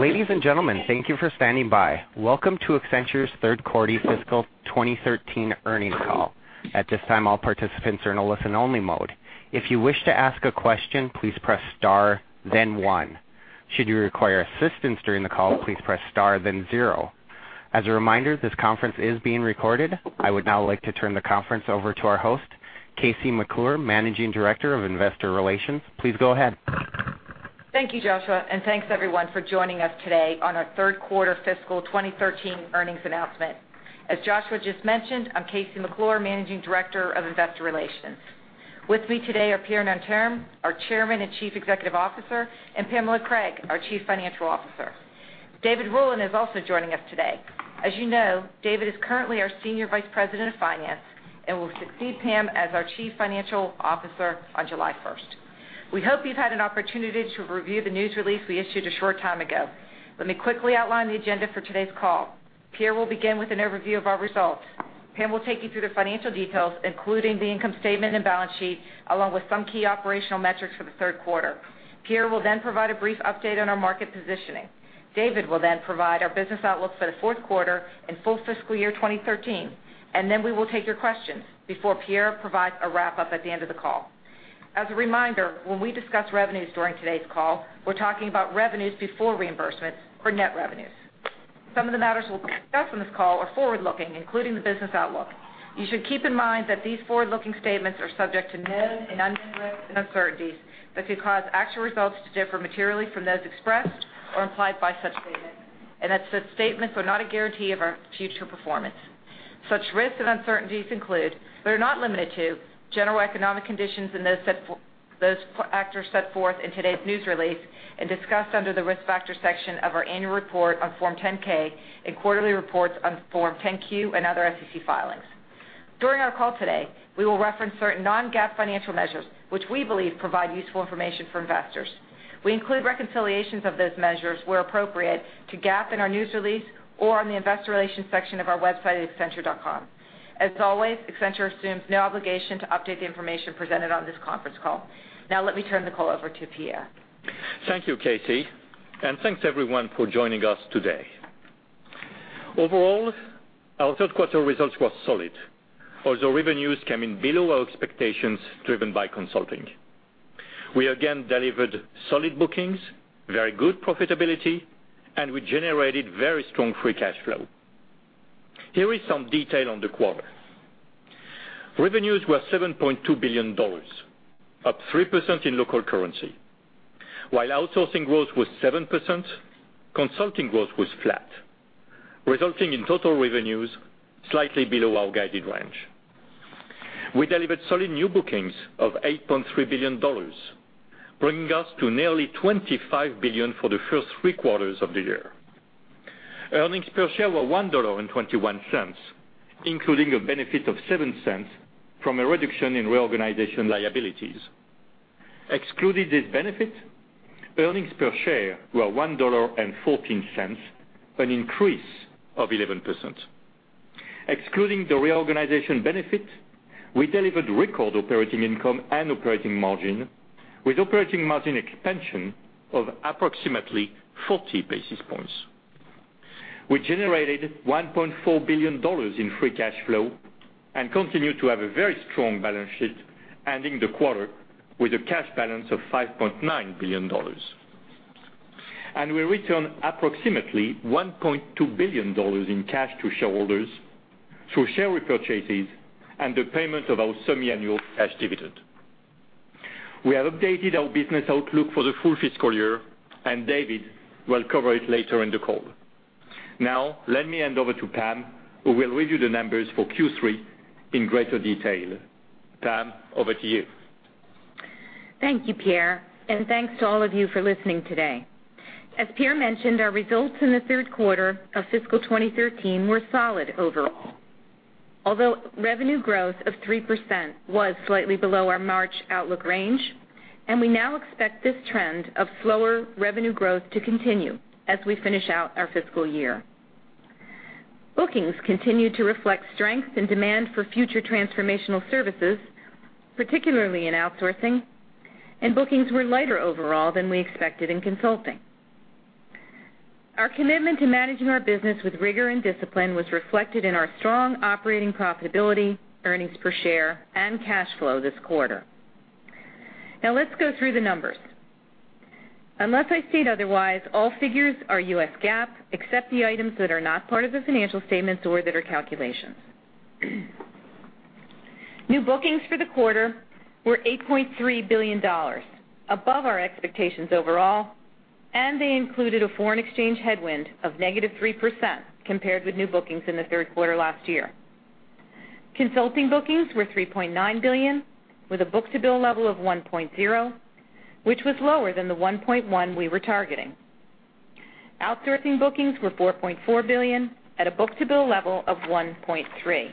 Ladies and gentlemen, thank you for standing by. Welcome to Accenture's third quarter fiscal 2013 earnings call. At this time, all participants are in a listen-only mode. If you wish to ask a question, please press star then one. Should you require assistance during the call, please press star then zero. As a reminder, this conference is being recorded. I would now like to turn the conference over to our host, KC McClure, Managing Director of Investor Relations. Please go ahead. Thank you, Joshua, and thanks, everyone, for joining us today on our third quarter fiscal 2013 earnings announcement. As Joshua just mentioned, I'm KC McClure, Managing Director of Investor Relations. With me today are Pierre Nanterme, our Chairman and Chief Executive Officer, and Pamela Craig, our Chief Financial Officer. David Rowland is also joining us today. As you know, David is currently our Senior Vice President of Finance and will succeed Pam as our Chief Financial Officer on July 1st. We hope you've had an opportunity to review the news release we issued a short time ago. Let me quickly outline the agenda for today's call. Pierre will begin with an overview of our results. Pam will take you through the financial details, including the income statement and balance sheet, along with some key operational metrics for the third quarter. Pierre will then provide a brief update on our market positioning. David will then provide our business outlook for the fourth quarter and full fiscal year 2013, and then we will take your questions before Pierre provides a wrap-up at the end of the call. As a reminder, when we discuss revenues during today's call, we're talking about revenues before reimbursements or net revenues. Some of the matters we'll discuss on this call are forward-looking, including the business outlook. You should keep in mind that these forward-looking statements are subject to known and unknown risks and uncertainties that could cause actual results to differ materially from those expressed or implied by such statements and that such statements are not a guarantee of our future performance. Such risks and uncertainties include, but are not limited to, general economic conditions and those factors set forth in today's news release and discussed under the Risk Factors section of our annual report on Form 10-K and quarterly reports on Form 10-Q and other SEC filings. During our call today, we will reference certain non-GAAP financial measures which we believe provide useful information for investors. We include reconciliations of those measures where appropriate to GAAP in our news release or on the investor relations section of our website at accenture.com. As always, Accenture assumes no obligation to update the information presented on this conference call. Let me turn the call over to Pierre. Thank you, KC, and thanks, everyone, for joining us today. Overall, our third quarter results were solid. Although revenues came in below our expectations, driven by consulting. We again delivered solid bookings, very good profitability, and we generated very strong free cash flow. Here is some detail on the quarter. Revenues were $7.2 billion, up 3% in local currency. While outsourcing growth was 7%, consulting growth was flat, resulting in total revenues slightly below our guided range. We delivered solid new bookings of $8.3 billion, bringing us to nearly $25 billion for the first three quarters of the year. Earnings per share were $1.21, including a benefit of $0.07 from a reduction in reorganization liabilities. Excluding this benefit, earnings per share were $1.14, an increase of 11%. Excluding the reorganization benefit, we delivered record operating income and operating margin, with operating margin expansion of approximately 40 basis points, which generated $1.4 billion in free cash flow and continued to have a very strong balance sheet ending the quarter with a cash balance of $5.9 billion. We returned approximately $1.2 billion in cash to shareholders through share repurchases and the payment of our semi-annual cash dividend. We have updated our business outlook for the full fiscal year, and David will cover it later in the call. Now, let me hand over to Pam, who will review the numbers for Q3 in greater detail. Pam, over to you. Thank you, Pierre, and thanks to all of you for listening today. As Pierre mentioned, our results in the third quarter of fiscal 2013 were solid overall. Although revenue growth of 3% was slightly below our March outlook range, we now expect this trend of slower revenue growth to continue as we finish out our fiscal year. Bookings continued to reflect strength and demand for future transformational services, particularly in outsourcing, bookings were lighter overall than we expected in consulting. Our commitment to managing our business with rigor and discipline was reflected in our strong operating profitability, earnings per share, and cash flow this quarter. Let's go through the numbers. Unless I state otherwise, all figures are U.S. GAAP, except the items that are not part of the financial statements or that are calculations. New bookings for the quarter were $8.3 billion, above our expectations overall, they included a foreign exchange headwind of negative 3% compared with new bookings in the third quarter last year. Consulting bookings were $3.9 billion, with a book-to-bill level of 1.0, which was lower than the 1.1 we were targeting. Outsourcing bookings were $4.4 billion at a book-to-bill level of 1.3.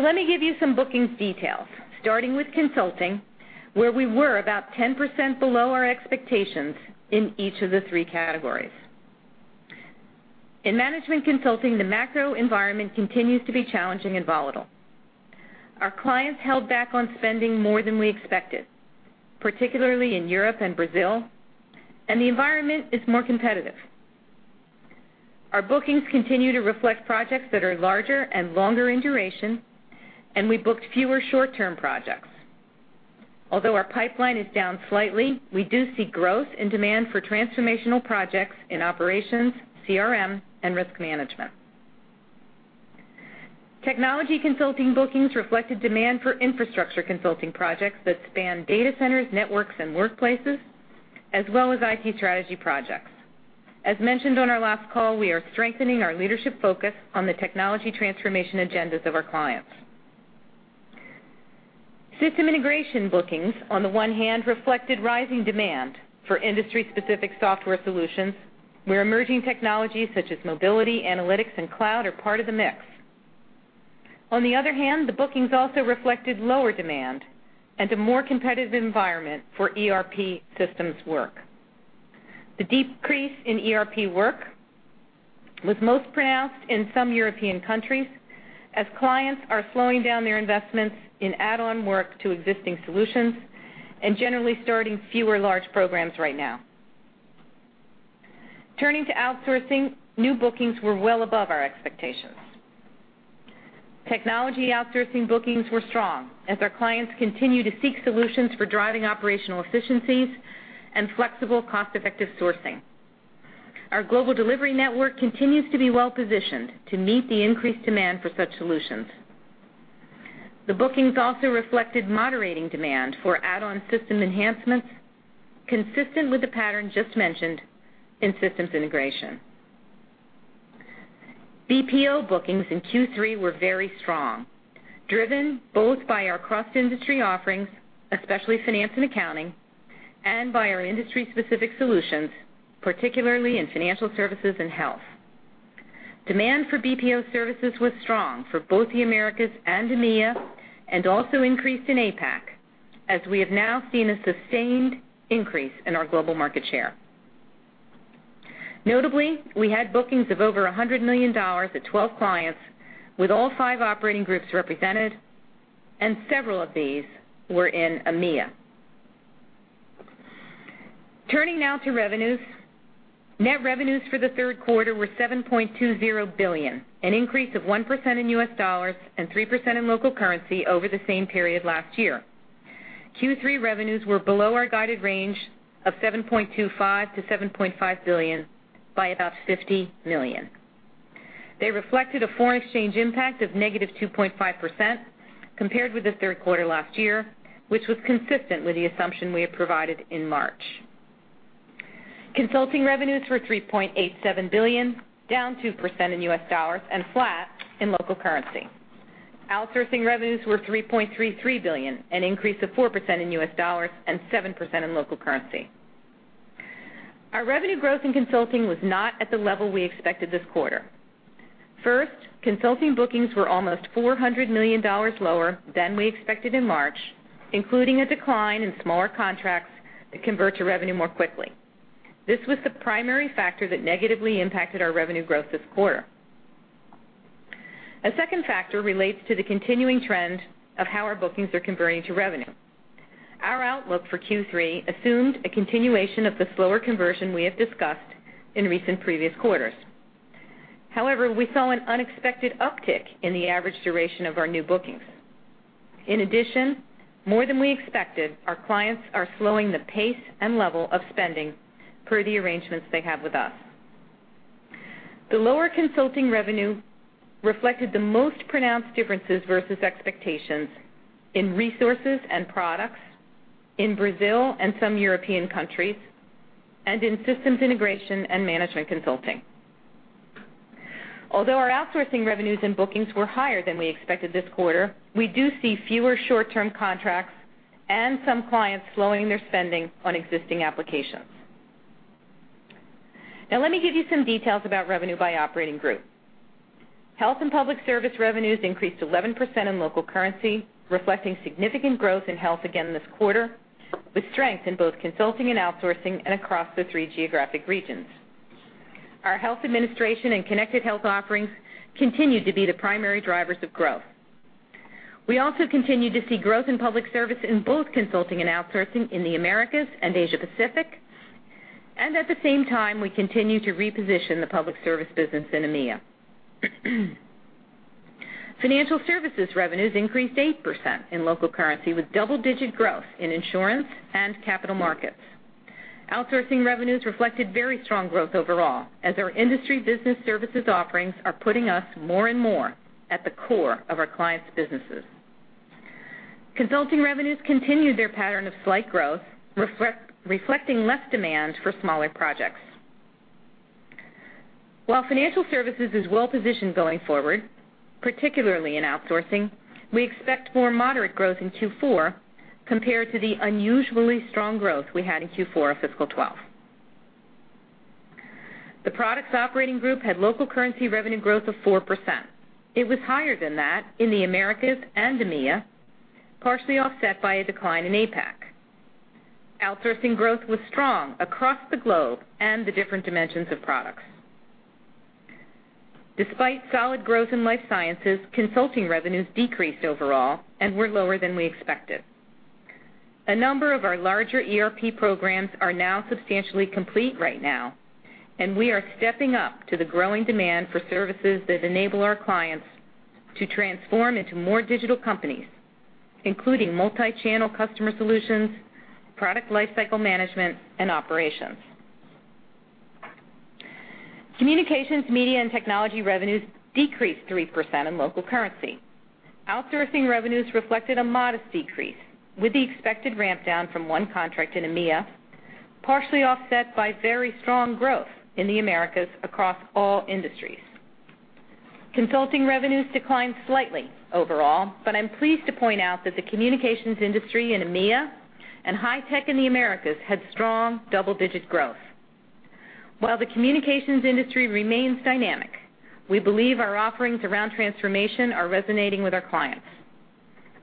Let me give you some bookings details, starting with consulting, where we were about 10% below our expectations in each of the three categories. In management consulting, the macro environment continues to be challenging and volatile. Our clients held back on spending more than we expected, particularly in Europe and Brazil, the environment is more competitive. Our bookings continue to reflect projects that are larger and longer in duration, we booked fewer short-term projects. Although our pipeline is down slightly, we do see growth in demand for transformational projects in operations, CRM, and risk management. Technology consulting bookings reflected demand for infrastructure consulting projects that span data centers, networks, and workplaces, as well as IT strategy projects. As mentioned on our last call, we are strengthening our leadership focus on the technology transformation agendas of our clients. System integration bookings, on the one hand, reflected rising demand for industry-specific software solutions, where emerging technologies such as mobility, analytics, and cloud are part of the mix. On the other hand, the bookings also reflected lower demand and a more competitive environment for ERP systems work. The decrease in ERP work was most pronounced in some European countries, as clients are slowing down their investments in add-on work to existing solutions and generally starting fewer large programs right now. Turning to outsourcing, new bookings were well above our expectations. Technology outsourcing bookings were strong as our clients continue to seek solutions for driving operational efficiencies and flexible, cost-effective sourcing. Our global delivery network continues to be well-positioned to meet the increased demand for such solutions. The bookings also reflected moderating demand for add-on system enhancements, consistent with the pattern just mentioned in systems integration. BPO bookings in Q3 were very strong, driven both by our cross-industry offerings, especially finance and accounting, and by our industry-specific solutions, particularly in financial services and health. Demand for BPO services was strong for both the Americas and EMEA, and also increased in APAC, as we have now seen a sustained increase in our global market share. Notably, we had bookings of over $100 million at 12 clients, with all five operating groups represented, and several of these were in EMEA. Turning now to revenues, net revenues for the third quarter were $7.20 billion, an increase of 1% in US dollars and 3% in local currency over the same period last year. Q3 revenues were below our guided range of $7.25 billion-$7.5 billion, by about $50 million. They reflected a foreign exchange impact of -2.5% compared with the third quarter last year, which was consistent with the assumption we had provided in March. Consulting revenues were $3.87 billion, down 2% in US dollars and flat in local currency. Outsourcing revenues were $3.33 billion, an increase of 4% in US dollars and 7% in local currency. Our revenue growth in consulting was not at the level we expected this quarter. First, consulting bookings were almost $400 million lower than we expected in March, including a decline in smaller contracts that convert to revenue more quickly. This was the primary factor that negatively impacted our revenue growth this quarter. A second factor relates to the continuing trend of how our bookings are converting to revenue. Our outlook for Q3 assumed a continuation of the slower conversion we have discussed in recent previous quarters. However, we saw an unexpected uptick in the average duration of our new bookings. In addition, more than we expected, our clients are slowing the pace and level of spending per the arrangements they have with us. The lower consulting revenue reflected the most pronounced differences versus expectations in resources and products in Brazil and some European countries, and in systems integration and management consulting. Although our outsourcing revenues and bookings were higher than we expected this quarter, we do see fewer short-term contracts and some clients slowing their spending on existing applications. Let me give you some details about revenue by operating group. Health and public service revenues increased 11% in local currency, reflecting significant growth in health again this quarter, with strength in both consulting and outsourcing and across the three geographic regions. Our health administration and connected health offerings continued to be the primary drivers of growth. We also continued to see growth in public service in both consulting and outsourcing in the Americas and Asia Pacific. At the same time, we continue to reposition the public service business in EMEA. Financial services revenues increased 8% in local currency, with double-digit growth in insurance and capital markets. Outsourcing revenues reflected very strong growth overall, as our industry business services offerings are putting us more and more at the core of our clients' businesses. Consulting revenues continued their pattern of slight growth, reflecting less demand for smaller projects. While financial services is well-positioned going forward, particularly in outsourcing, we expect more moderate growth in Q4 compared to the unusually strong growth we had in Q4 of fiscal 2012. The products operating group had local currency revenue growth of 4%. It was higher than that in the Americas and EMEA, partially offset by a decline in APAC. Outsourcing growth was strong across the globe and the different dimensions of products. Despite solid growth in life sciences, consulting revenues decreased overall and were lower than we expected. A number of our larger ERP programs are now substantially complete right now. We are stepping up to the growing demand for services that enable our clients to transform into more digital companies, including multi-channel customer solutions, product lifecycle management, and operations. Communications, media, and technology revenues decreased 3% in local currency. Outsourcing revenues reflected a modest decrease with the expected ramp down from one contract in EMEA, partially offset by very strong growth in the Americas across all industries. Consulting revenues declined slightly overall. I'm pleased to point out that the communications industry in EMEA and high tech in the Americas had strong double-digit growth. While the communications industry remains dynamic, we believe our offerings around transformation are resonating with our clients.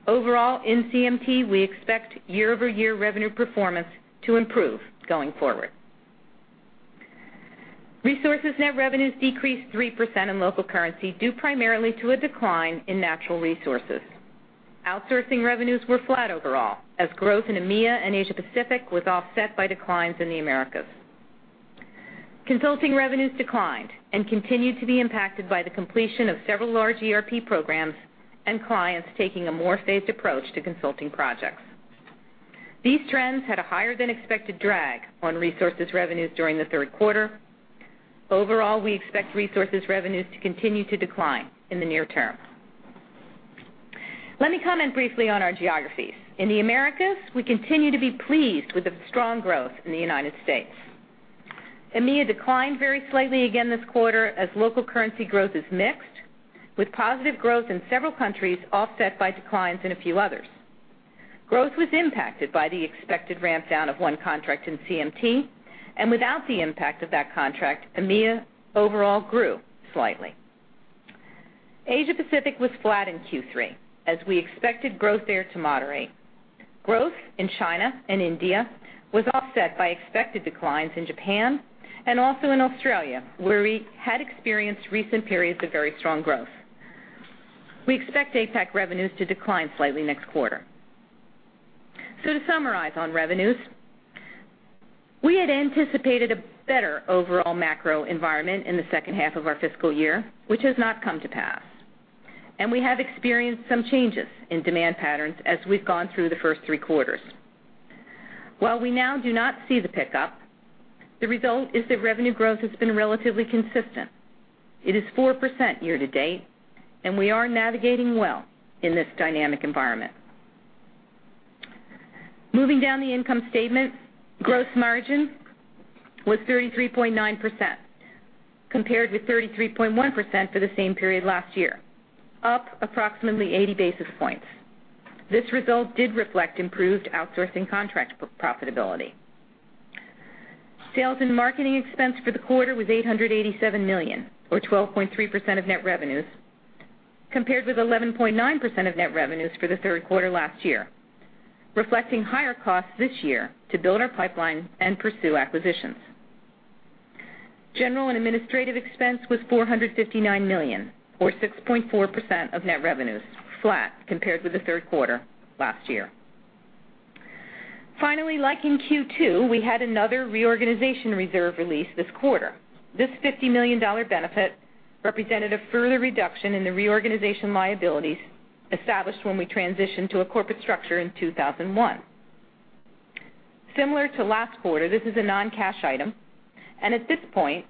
Overall, in CMT, we expect year-over-year revenue performance to improve going forward. Resources net revenues decreased 3% in local currency due primarily to a decline in natural resources. Outsourcing revenues were flat overall, as growth in EMEA and Asia-Pacific was offset by declines in the Americas. Consulting revenues declined and continued to be impacted by the completion of several large ERP programs and clients taking a more phased approach to consulting projects. These trends had a higher-than-expected drag on resources revenues during the third quarter. Overall, we expect resources revenues to continue to decline in the near term. Let me comment briefly on our geographies. In the Americas, we continue to be pleased with the strong growth in the U.S. EMEA declined very slightly again this quarter as local currency growth is mixed, with positive growth in several countries offset by declines in a few others. Growth was impacted by the expected ramp down of one contract in CMT. Without the impact of that contract, EMEA overall grew slightly. Asia-Pacific was flat in Q3, as we expected growth there to moderate. Growth in China and India was offset by expected declines in Japan and also in Australia, where we had experienced recent periods of very strong growth. We expect APAC revenues to decline slightly next quarter. To summarize on revenues, we had anticipated a better overall macro environment in the second half of our fiscal year, which has not come to pass, and we have experienced some changes in demand patterns as we've gone through the first three quarters. While we now do not see the pickup, the result is that revenue growth has been relatively consistent. It is 4% year-to-date, and we are navigating well in this dynamic environment. Moving down the income statement, gross margin was 33.9% compared to 33.1% for the same period last year, up approximately 80 basis points. This result did reflect improved outsourcing contract profitability. Sales and marketing expense for the quarter was $887 million, or 12.3% of net revenues, compared with 11.9% of net revenues for the third quarter last year, reflecting higher costs this year to build our pipeline and pursue acquisitions. General and administrative expense was $459 million, or 6.4% of net revenues, flat compared with the third quarter last year. Finally, like in Q2, we had another reorganization reserve release this quarter. This $50 million benefit represented a further reduction in the reorganization liabilities established when we transitioned to a corporate structure in 2001. Similar to last quarter, this is a non-cash item, and at this point,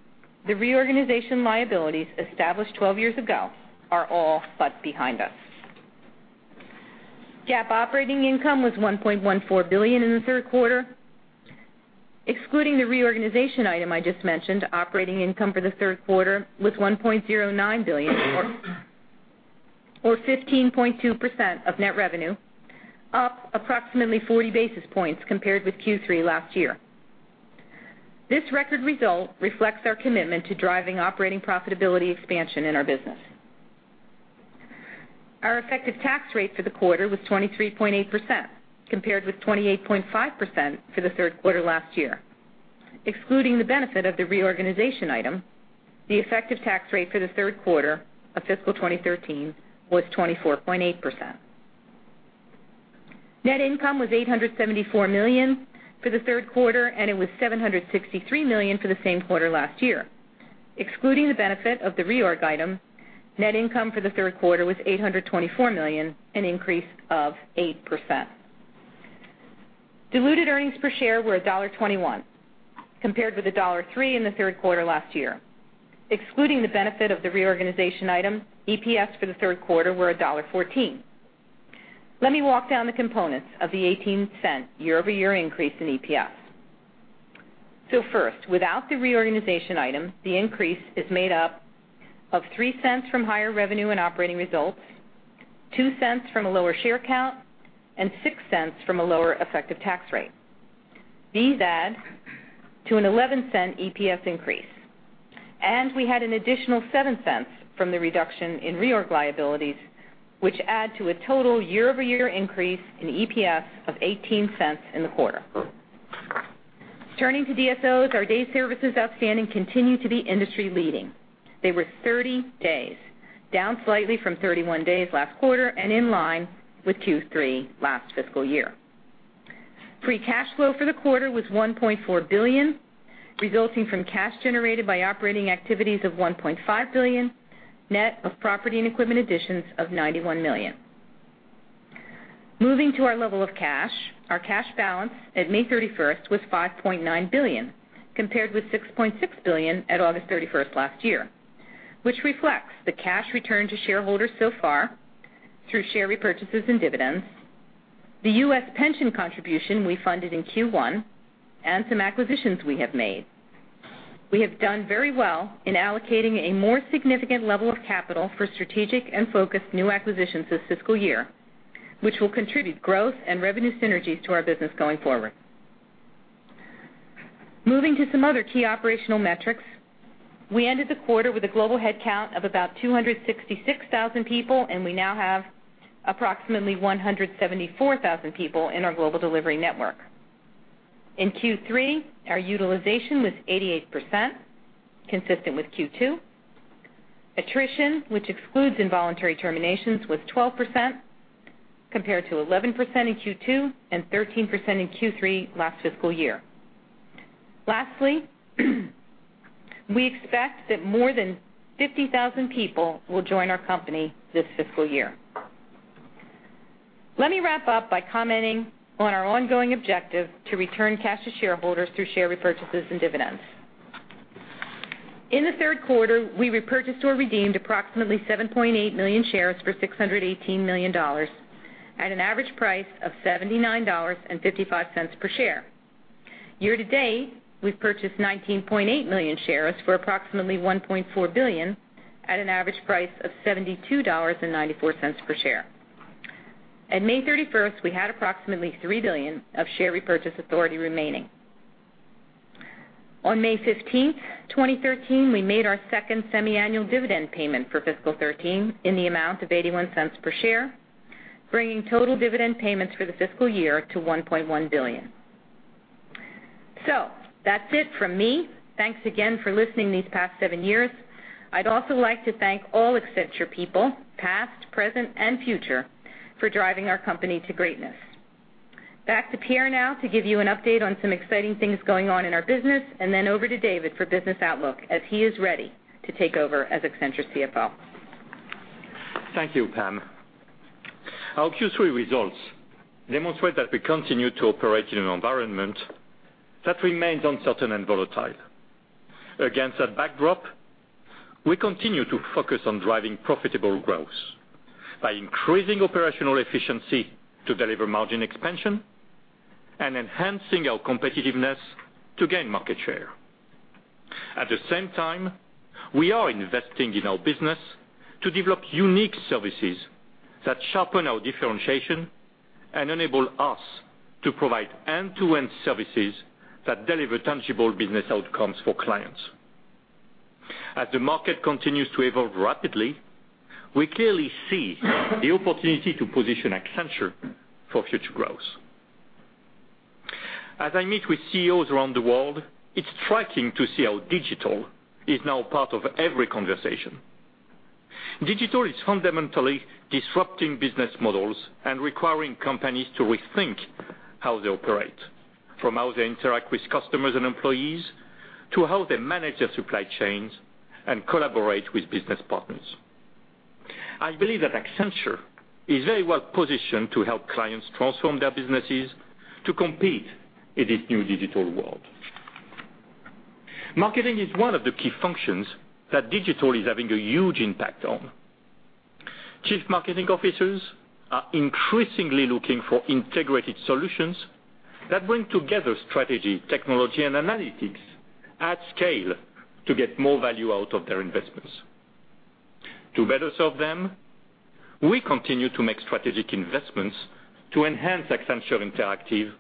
the reorganization liabilities established 12 years ago are all but behind us. GAAP operating income was $1.14 billion in the third quarter. Excluding the reorganization item I just mentioned, operating income for the third quarter was $1.09 billion or 15.2% of net revenue, up approximately 40 basis points compared with Q3 last year. This record result reflects our commitment to driving operating profitability expansion in our business. Our effective tax rate for the quarter was 23.8%, compared with 28.5% for the third quarter last year. Excluding the benefit of the reorganization item, the effective tax rate for the third quarter of fiscal 2013 was 24.8%. Net income was $874 million for the third quarter, and it was $763 million for the same quarter last year. Excluding the benefit of the reorg item, net income for the third quarter was $824 million, an increase of 8%. Diluted earnings per share were $1.21, compared with $1.03 in the third quarter last year. Excluding the benefit of the reorganization item, EPS for the third quarter were $1.14. Let me walk down the components of the $0.18 year-over-year increase in EPS. First, without the reorganization item, the increase is made up of $0.03 from higher revenue and operating results, $0.02 from a lower share count, and $0.06 from a lower effective tax rate. These add to an $0.11 EPS increase. We had an additional $0.07 from the reduction in reorg liabilities, which add to a total year-over-year increase in EPS of $0.18 in the quarter. Turning to DSO, our Days Sales Outstanding continue to be industry leading. They were 30 days, down slightly from 31 days last quarter and in line with Q3 last fiscal year. Free cash flow for the quarter was $1.4 billion, resulting from cash generated by operating activities of $1.5 billion, net of property and equipment additions of $91 million. Moving to our level of cash, our cash balance at May 31 was $5.9 billion, compared with $6.6 billion at August 31 last year, which reflects the cash returned to shareholders so far through share repurchases and dividends, the U.S. pension contribution we funded in Q1, and some acquisitions we have made. We have done very well in allocating a more significant level of capital for strategic and focused new acquisitions this fiscal year, which will contribute growth and revenue synergies to our business going forward. Moving to some other key operational metrics, we ended the quarter with a global head count of about 266,000 people, and we now have approximately 174,000 people in our global delivery network. In Q3, our utilization was 88%, consistent with Q2. Attrition, which excludes involuntary terminations, was 12%, compared to 11% in Q2 and 13% in Q3 last fiscal year. Lastly, we expect that more than 50,000 people will join our company this fiscal year. Let me wrap up by commenting on our ongoing objective to return cash to shareholders through share repurchases and dividends. In the third quarter, we repurchased or redeemed approximately 7.8 million shares for $618 million at an average price of $79.55 per share. Year to date, we've purchased 19.8 million shares for approximately $1.4 billion at an average price of $72.94 per share. At May 31, we had approximately $3 billion of share repurchase authority remaining. On May 15, 2013, we made our second semiannual dividend payment for fiscal 2013 in the amount of $0.81 per share, bringing total dividend payments for the fiscal year to $1.1 billion. That's it from me. Thanks again for listening these past seven years. I'd also like to thank all Accenture people, past, present, and future, for driving our company to greatness. Back to Pierre now to give you an update on some exciting things going on in our business, and then over to David for business outlook as he is ready to take over as Accenture CFO. Thank you, Pam. Our Q3 results demonstrate that we continue to operate in an environment that remains uncertain and volatile. Against that backdrop, we continue to focus on driving profitable growth by increasing operational efficiency to deliver margin expansion and enhancing our competitiveness to gain market share. At the same time, we are investing in our business to develop unique services that sharpen our differentiation and enable us to provide end-to-end services that deliver tangible business outcomes for clients. As the market continues to evolve rapidly, we clearly see the opportunity to position Accenture for future growth. As I meet with CEOs around the world, it's striking to see how digital is now part of every conversation. Digital is fundamentally disrupting business models and requiring companies to rethink how they operate, from how they interact with customers and employees, to how they manage their supply chains and collaborate with business partners. I believe that Accenture is very well positioned to help clients transform their businesses to compete in this new digital world. Marketing is one of the key functions that digital is having a huge impact on. Chief marketing officers are increasingly looking for integrated solutions that bring together strategy, technology, and analytics at scale to get more value out of their investments. To better serve them, we continue to make strategic investments to enhance Accenture Interactive,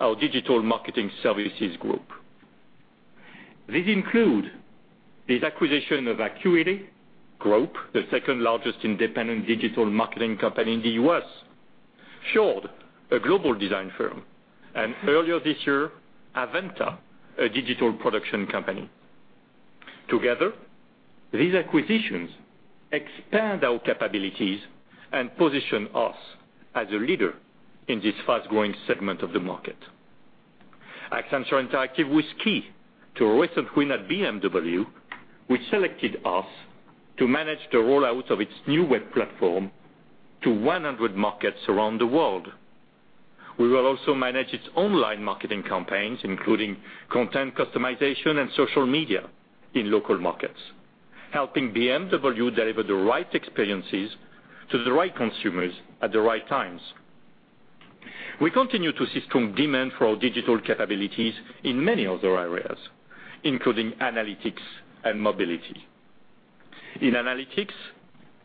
our digital marketing services group. These include the acquisition of Acquity Group, the second-largest independent digital marketing company in the U.S., Fjord, a global design firm, and earlier this year, avVenta, a digital production company. Together, these acquisitions expand our capabilities and position us as a leader in this fast-growing segment of the market. Accenture Interactive was key to a recent win at BMW, which selected us to manage the rollout of its new web platform to 100 markets around the world. We will also manage its online marketing campaigns, including content customization and social media in local markets, helping BMW deliver the right experiences to the right consumers at the right times. We continue to see strong demand for our digital capabilities in many other areas, including analytics and mobility. In analytics,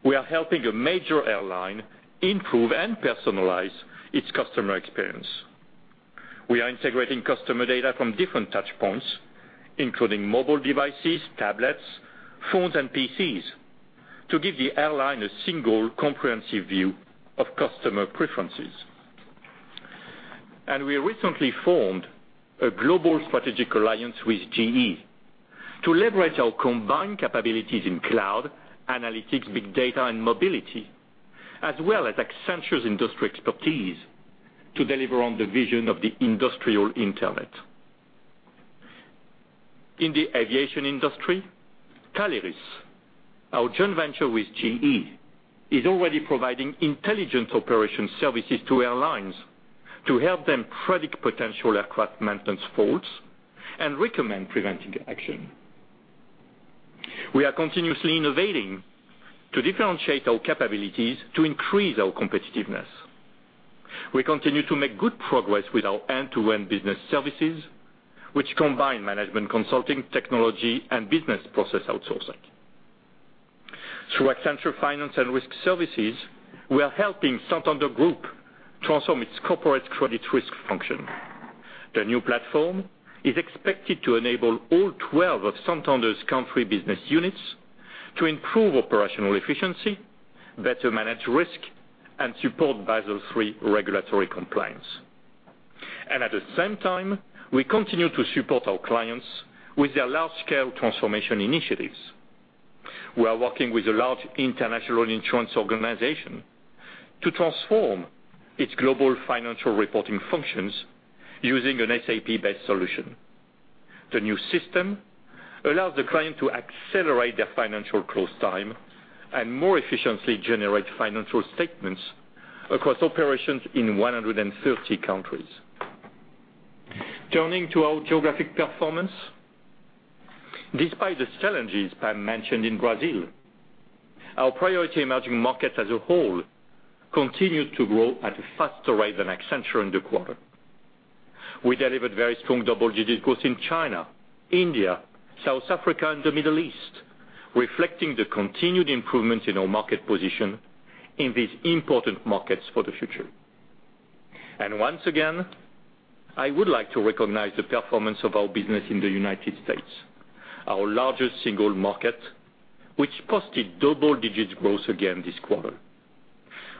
we are helping a major airline improve and personalize its customer experience. We are integrating customer data from different touchpoints, including mobile devices, tablets, phones, and PCs, to give the airline a single comprehensive view of customer preferences. We recently formed a global strategic alliance with GE to leverage our combined capabilities in cloud, analytics, big data, and mobility, as well as Accenture's industry expertise to deliver on the vision of the industrial internet. In the aviation industry, Taleris, our joint venture with GE, is already providing intelligent operation services to airlines to help them predict potential aircraft maintenance faults and recommend preventive action. We are continuously innovating to differentiate our capabilities to increase our competitiveness. We continue to make good progress with our end-to-end business services, which combine management consulting, technology, and business process outsourcing. Through Accenture Finance and Risk Services, we are helping Santander Group transform its corporate credit risk function. The new platform is expected to enable all 12 of Santander's country business units to improve operational efficiency, better manage risk, and support Basel III regulatory compliance. At the same time, we continue to support our clients with their large-scale transformation initiatives. We are working with a large international insurance organization to transform its global financial reporting functions using an SAP-based solution. The new system allows the client to accelerate their financial close time and more efficiently generate financial statements across operations in 130 countries. Turning to our geographic performance. Despite the challenges Pam mentioned in Brazil, our priority emerging markets as a whole continued to grow at a faster rate than Accenture in the quarter. We delivered very strong double-digit growth in China, India, South Africa, and the Middle East, reflecting the continued improvements in our market position in these important markets for the future. Once again, I would like to recognize the performance of our business in the United States, our largest single market, which posted double-digit growth again this quarter.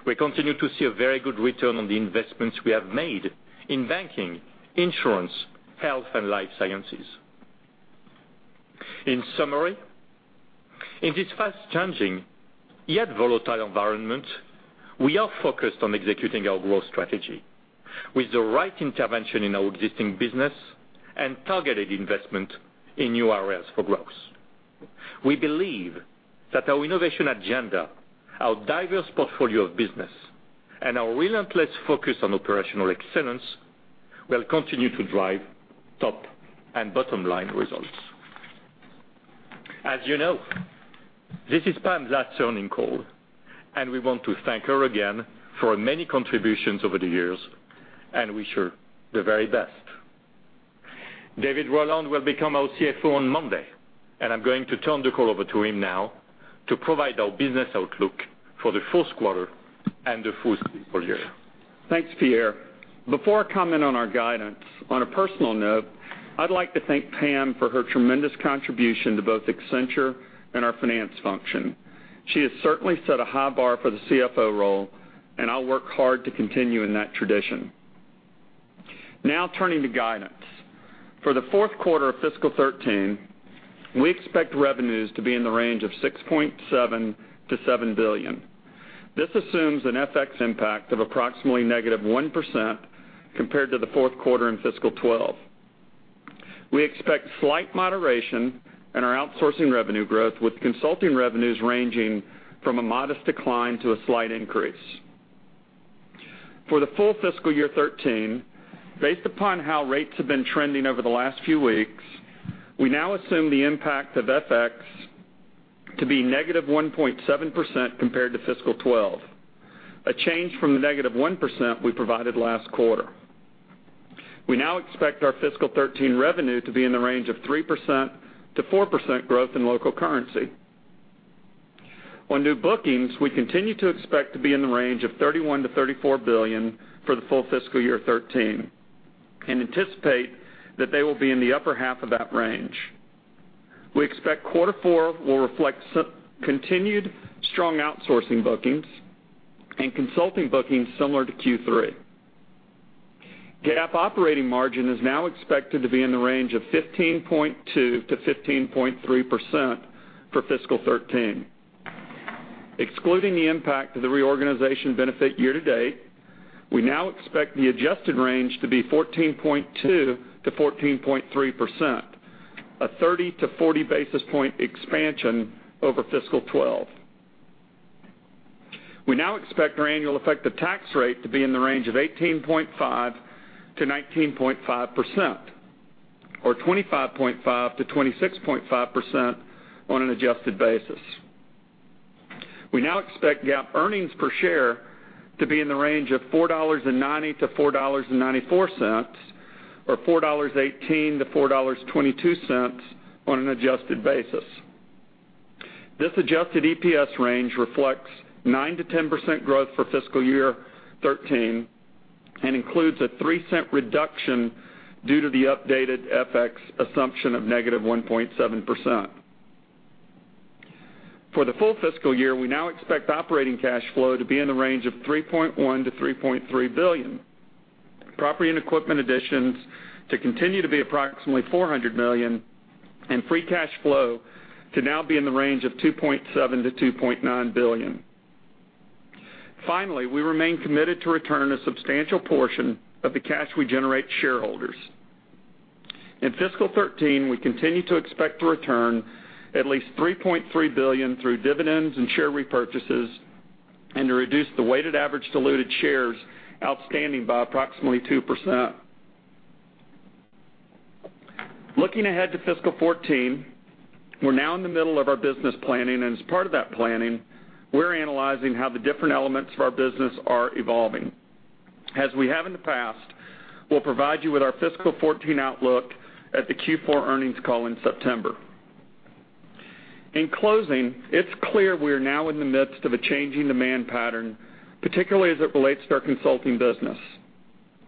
We continue to see a very good return on the investments we have made in banking, insurance, health, and life sciences. In summary, in this fast-changing, yet volatile environment, we are focused on executing our growth strategy with the right intervention in our existing business and targeted investment in new areas for growth. We believe that our innovation agenda, our diverse portfolio of business, and our relentless focus on operational excellence will continue to drive top and bottom-line results. As you know, this is Pam's last earnings call, and we want to thank her again for her many contributions over the years and wish her the very best. David Rowland will become our CFO on Monday, and I'm going to turn the call over to him now to provide our business outlook for the fourth quarter and the full fiscal year. Thanks, Pierre. Before I comment on our guidance, on a personal note, I'd like to thank Pam for her tremendous contribution to both Accenture and our finance function. She has certainly set a high bar for the CFO role, and I'll work hard to continue in that tradition. Now turning to guidance. For the fourth quarter of fiscal 2013, we expect revenues to be in the range of $6.7 billion to $7 billion. This assumes an FX impact of approximately -1% compared to the fourth quarter in fiscal 2012. We expect slight moderation in our outsourcing revenue growth with consulting revenues ranging from a modest decline to a slight increase. For the full fiscal year 2013, based upon how rates have been trending over the last few weeks, we now assume the impact of FX to be -1.7% compared to fiscal 2012, a change from the -1% we provided last quarter. We now expect our fiscal 2013 revenue to be in the range of 3%-4% growth in local currency. On new bookings, we continue to expect to be in the range of $31 billion to $34 billion for the full fiscal year 2013 and anticipate that they will be in the upper half of that range. We expect quarter four will reflect continued strong outsourcing bookings and consulting bookings similar to Q3. GAAP operating margin is now expected to be in the range of 15.2%-15.3% for fiscal 2013. Excluding the impact of the reorganization benefit year to date, we now expect the adjusted range to be 14.2%-14.3%, a 30-40 basis point expansion over fiscal 2012. We now expect our annual effective tax rate to be in the range of 18.5%-19.5%, or 25.5%-26.5% on an adjusted basis. We now expect GAAP earnings per share to be in the range of $4.90-$4.94, or $4.18-$4.22 on an adjusted basis. This adjusted EPS range reflects 9%-10% growth for fiscal year 2013 and includes a $0.03 reduction due to the updated FX assumption of -1.7%. For the full fiscal year, we now expect operating cash flow to be in the range of $3.1 billion-$3.3 billion. Property and equipment additions to continue to be approximately $400 million, free cash flow to now be in the range of $2.7 billion-$2.9 billion. Finally, we remain committed to return a substantial portion of the cash we generate to shareholders. In FY 2013, we continue to expect to return at least $3.3 billion through dividends and share repurchases and to reduce the weighted average diluted shares outstanding by approximately 2%. Looking ahead to FY 2014, we're now in the middle of our business planning, and as part of that planning, we're analyzing how the different elements of our business are evolving. As we have in the past, we'll provide you with our FY 2014 outlook at the Q4 earnings call in September. In closing, it's clear we are now in the midst of a changing demand pattern, particularly as it relates to our consulting business.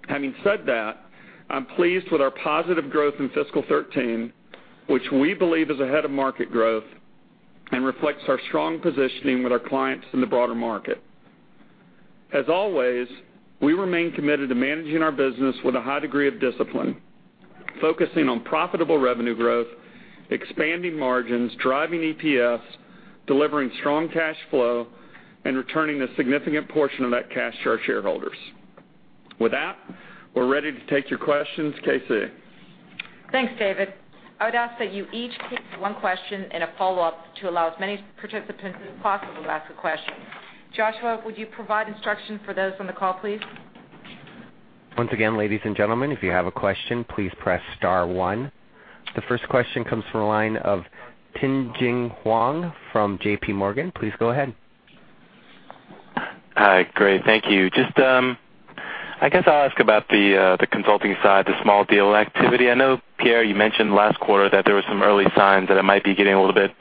Having said that, I'm pleased with our positive growth in FY 2013, which we believe is ahead of market growth and reflects our strong positioning with our clients in the broader market. As always, we remain committed to managing our business with a high degree of discipline, focusing on profitable revenue growth, expanding margins, driving EPS, delivering strong cash flow, and returning a significant portion of that cash to our shareholders. With that, we're ready to take your questions. KC? Thanks, David. I would ask that you each take one question and a follow-up to allow as many participants as possible to ask a question. Joshua, would you provide instruction for those on the call, please? Once again, ladies and gentlemen, if you have a question, please press star one. The first question comes from the line of Tien-Tsin Huang from JPMorgan. Please go ahead. Hi. Great. Thank you. I guess I'll ask about the consulting side, the small deal activity. I know, Pierre, you mentioned last quarter that there were some early signs that it might be getting a little bit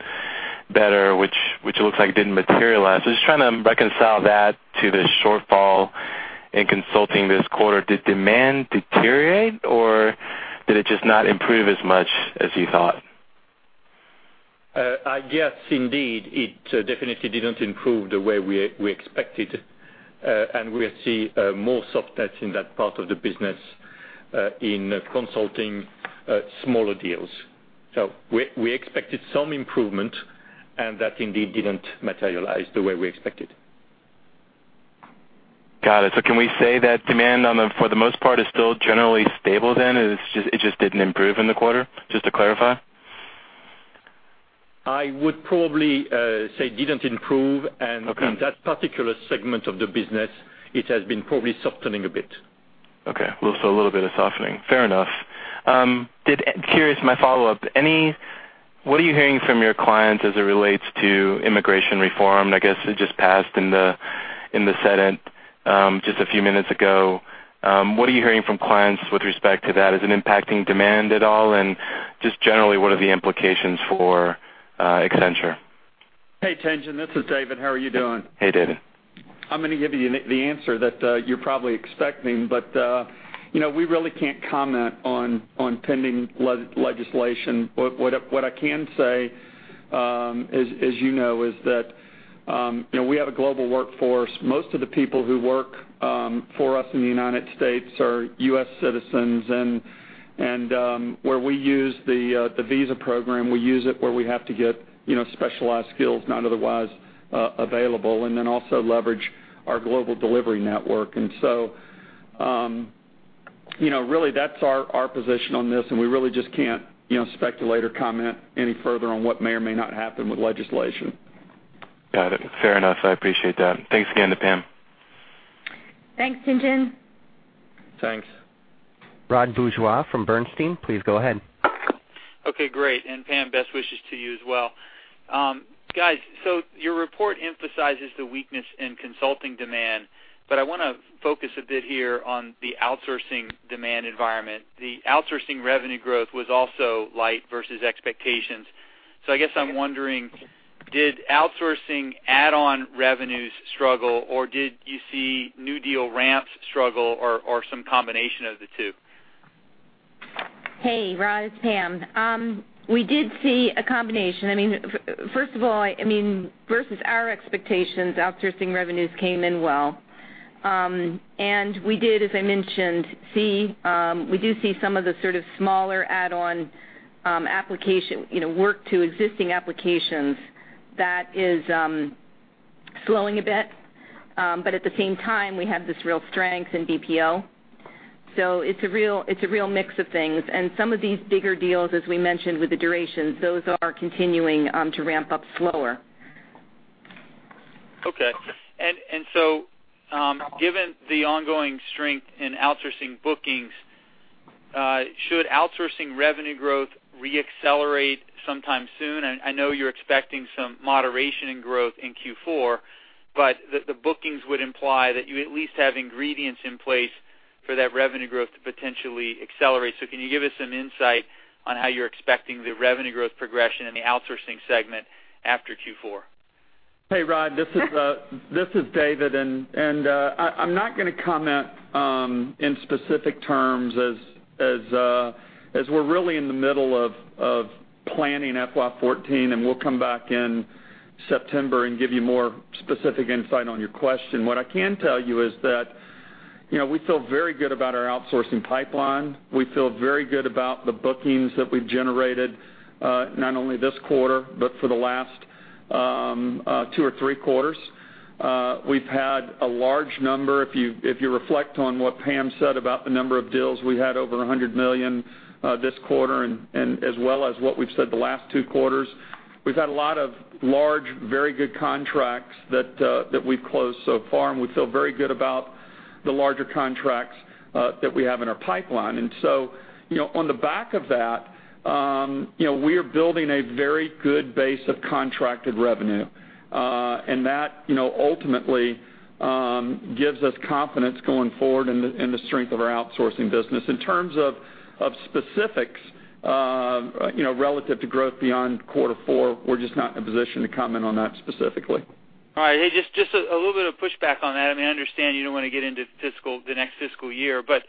better, which looks like it didn't materialize. Just trying to reconcile that to the shortfall in consulting this quarter. Did demand deteriorate, or did it just not improve as much as you thought? Yes, indeed, it definitely didn't improve the way we expected. We see more softness in that part of the business in consulting smaller deals. We expected some improvement, and that indeed didn't materialize the way we expected. Got it. Can we say that demand, for the most part, is still generally stable then, it just didn't improve in the quarter? Just to clarify. I would probably say didn't improve Okay In that particular segment of the business, it has been probably softening a bit. A little bit of softening. Fair enough. Curious, my follow-up, what are you hearing from your clients as it relates to immigration reform? I guess it just passed in the Senate just a few minutes ago. What are you hearing from clients with respect to that? Is it impacting demand at all, and just generally, what are the implications for Accenture? Hey, Tien-Tsin, this is David. How are you doing? Hey, David. I am going to give you the answer that you are probably expecting, we really cannot comment on pending legislation. What I can say, as you know, is that we have a global workforce. Most of the people who work for us in the U.S. are U.S. citizens, and where we use the visa program, we use it where we have to get specialized skills not otherwise available, and then also leverage our global delivery network. So really, that is our position on this, and we really just cannot speculate or comment any further on what may or may not happen with legislation. Got it. Fair enough. I appreciate that. Thanks again to Pam. Thanks, Tien-Tsin. Thanks. Rod Bourgeois from Bernstein, please go ahead. Okay, great. Pam, best wishes to you as well. Guys, your report emphasizes the weakness in consulting demand, but I want to focus a bit here on the outsourcing demand environment. The outsourcing revenue growth was also light versus expectations. I guess I'm wondering, did outsourcing add-on revenues struggle, or did you see new deal ramps struggle, or some combination of the two? Hey, Rod, it's Pam. We did see a combination. First of all, versus our expectations, outsourcing revenues came in well. We did, as I mentioned, see some of the sort of smaller add-on work to existing applications that is slowing a bit. At the same time, we have this real strength in BPO. It's a real mix of things. Some of these bigger deals, as we mentioned, with the durations, those are continuing to ramp up slower. Okay. Given the ongoing strength in outsourcing bookings Should outsourcing revenue growth re-accelerate sometime soon? I know you're expecting some moderation in growth in Q4, but the bookings would imply that you at least have ingredients in place for that revenue growth to potentially accelerate. Can you give us some insight on how you're expecting the revenue growth progression in the outsourcing segment after Q4? Hey, Rod, this is David. I'm not going to comment in specific terms as we're really in the middle of planning FY 2014, and we'll come back in September and give you more specific insight on your question. What I can tell you is that we feel very good about our outsourcing pipeline. We feel very good about the bookings that we've generated, not only this quarter, but for the last two or three quarters. We've had a large number. If you reflect on what Pam said about the number of deals, we had over $100 million this quarter, and as well as what we've said the last two quarters. We've had a lot of large, very good contracts that we've closed so far, and we feel very good about the larger contracts that we have in our pipeline. On the back of that, we are building a very good base of contracted revenue. That ultimately gives us confidence going forward in the strength of our outsourcing business. In terms of specifics, relative to growth beyond quarter four, we're just not in a position to comment on that specifically. All right. Hey, just a little bit of pushback on that. I understand you don't want to get into the next fiscal year, but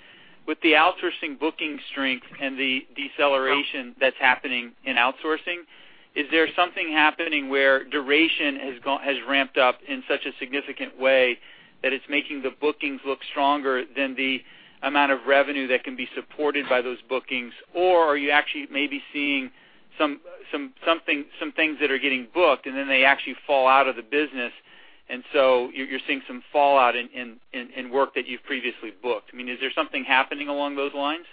with the outsourcing booking strength and the deceleration that's happening in outsourcing, is there something happening where duration has ramped up in such a significant way that it's making the bookings look stronger than the amount of revenue that can be supported by those bookings? Are you actually maybe seeing some things that are getting booked and then they actually fall out of the business, and so you're seeing some fallout in work that you've previously booked? Is there something happening along those lines?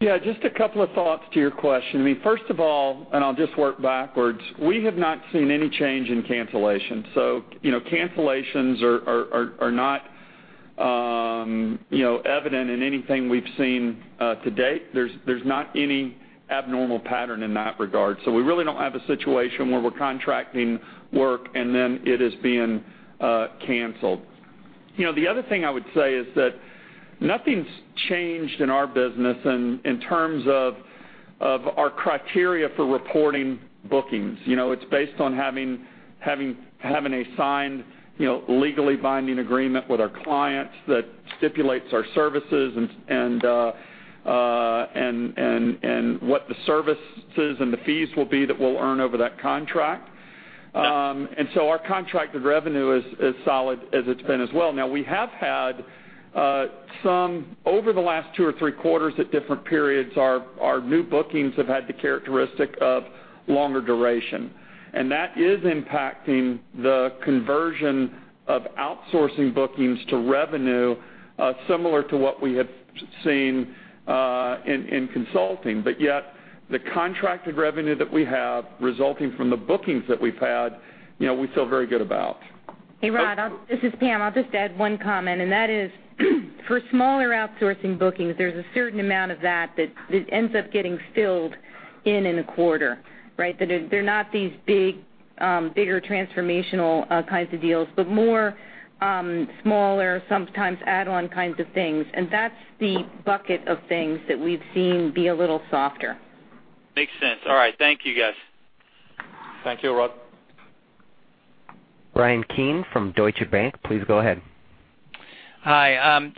Yeah, just a couple of thoughts to your question. First of all, and I'll just work backwards, we have not seen any change in cancellation. Cancellations are not evident in anything we've seen to date. There's not any abnormal pattern in that regard. We really don't have a situation where we're contracting work and then it is being canceled. The other thing I would say is that nothing's changed in our business in terms of our criteria for reporting bookings. It's based on having a signed, legally binding agreement with our clients that stipulates our services and what the services and the fees will be that we'll earn over that contract. Yeah. Our contracted revenue is as solid as it's been as well. Now we have had over the last two or three quarters at different periods, our new bookings have had the characteristic of longer duration, and that is impacting the conversion of outsourcing bookings to revenue, similar to what we had seen in consulting. The contracted revenue that we have resulting from the bookings that we've had, we feel very good about. Hey, Rod, this is Pam. I'll just add one comment, and that is for smaller outsourcing bookings, there's a certain amount of that ends up getting filled in in a quarter, right? That they're not these bigger transformational kinds of deals, but more smaller, sometimes add-on kinds of things, and that's the bucket of things that we've seen be a little softer. Makes sense. All right. Thank you, guys. Thank you, Rod. Bryan Keane from Deutsche Bank, please go ahead. Hi.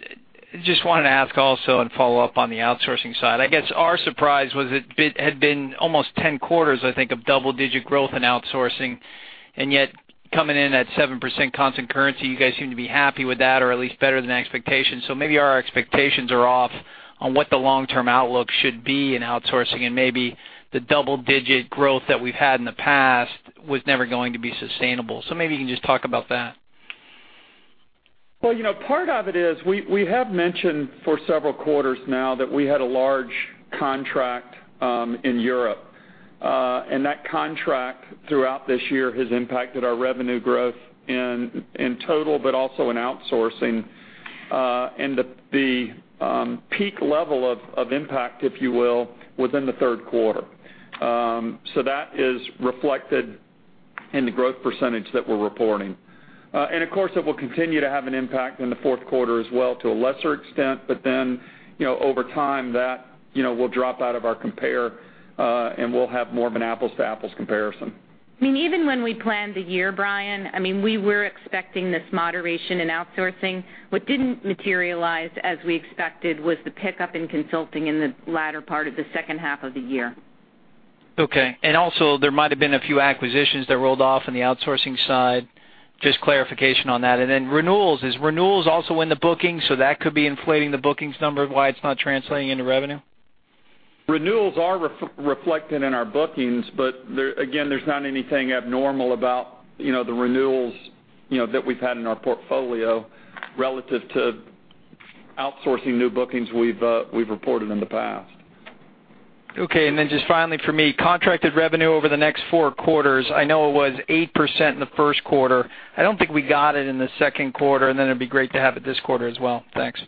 Just wanted to ask also and follow up on the outsourcing side. I guess our surprise was it had been almost 10 quarters, I think, of double-digit growth in outsourcing, and yet coming in at 7% constant currency, you guys seem to be happy with that or at least better than expectations. Maybe our expectations are off on what the long-term outlook should be in outsourcing and maybe the double-digit growth that we've had in the past was never going to be sustainable. Maybe you can just talk about that. Well, part of it is, we have mentioned for several quarters now that we had a large contract in Europe. That contract throughout this year has impacted our revenue growth in total, but also in outsourcing. The peak level of impact, if you will, was in the third quarter. That is reflected in the growth percentage that we're reporting. Of course, it will continue to have an impact in the fourth quarter as well to a lesser extent, over time, that will drop out of our compare, and we'll have more of an apples to apples comparison. Even when we planned the year, Bryan, we were expecting this moderation in outsourcing. What didn't materialize as we expected was the pickup in consulting in the latter part of the second half of the year. Okay. Also, there might have been a few acquisitions that rolled off on the outsourcing side, just clarification on that. Then renewals. Is renewals also in the bookings, that could be inflating the bookings number, why it's not translating into revenue? Renewals are reflected in our bookings, again, there's not anything abnormal about the renewals that we've had in our portfolio relative to outsourcing new bookings we've reported in the past. Okay. Just finally for me, contracted revenue over the next four quarters, I know it was 8% in the first quarter. I don't think we got it in the second quarter, then it'd be great to have it this quarter as well. Thanks.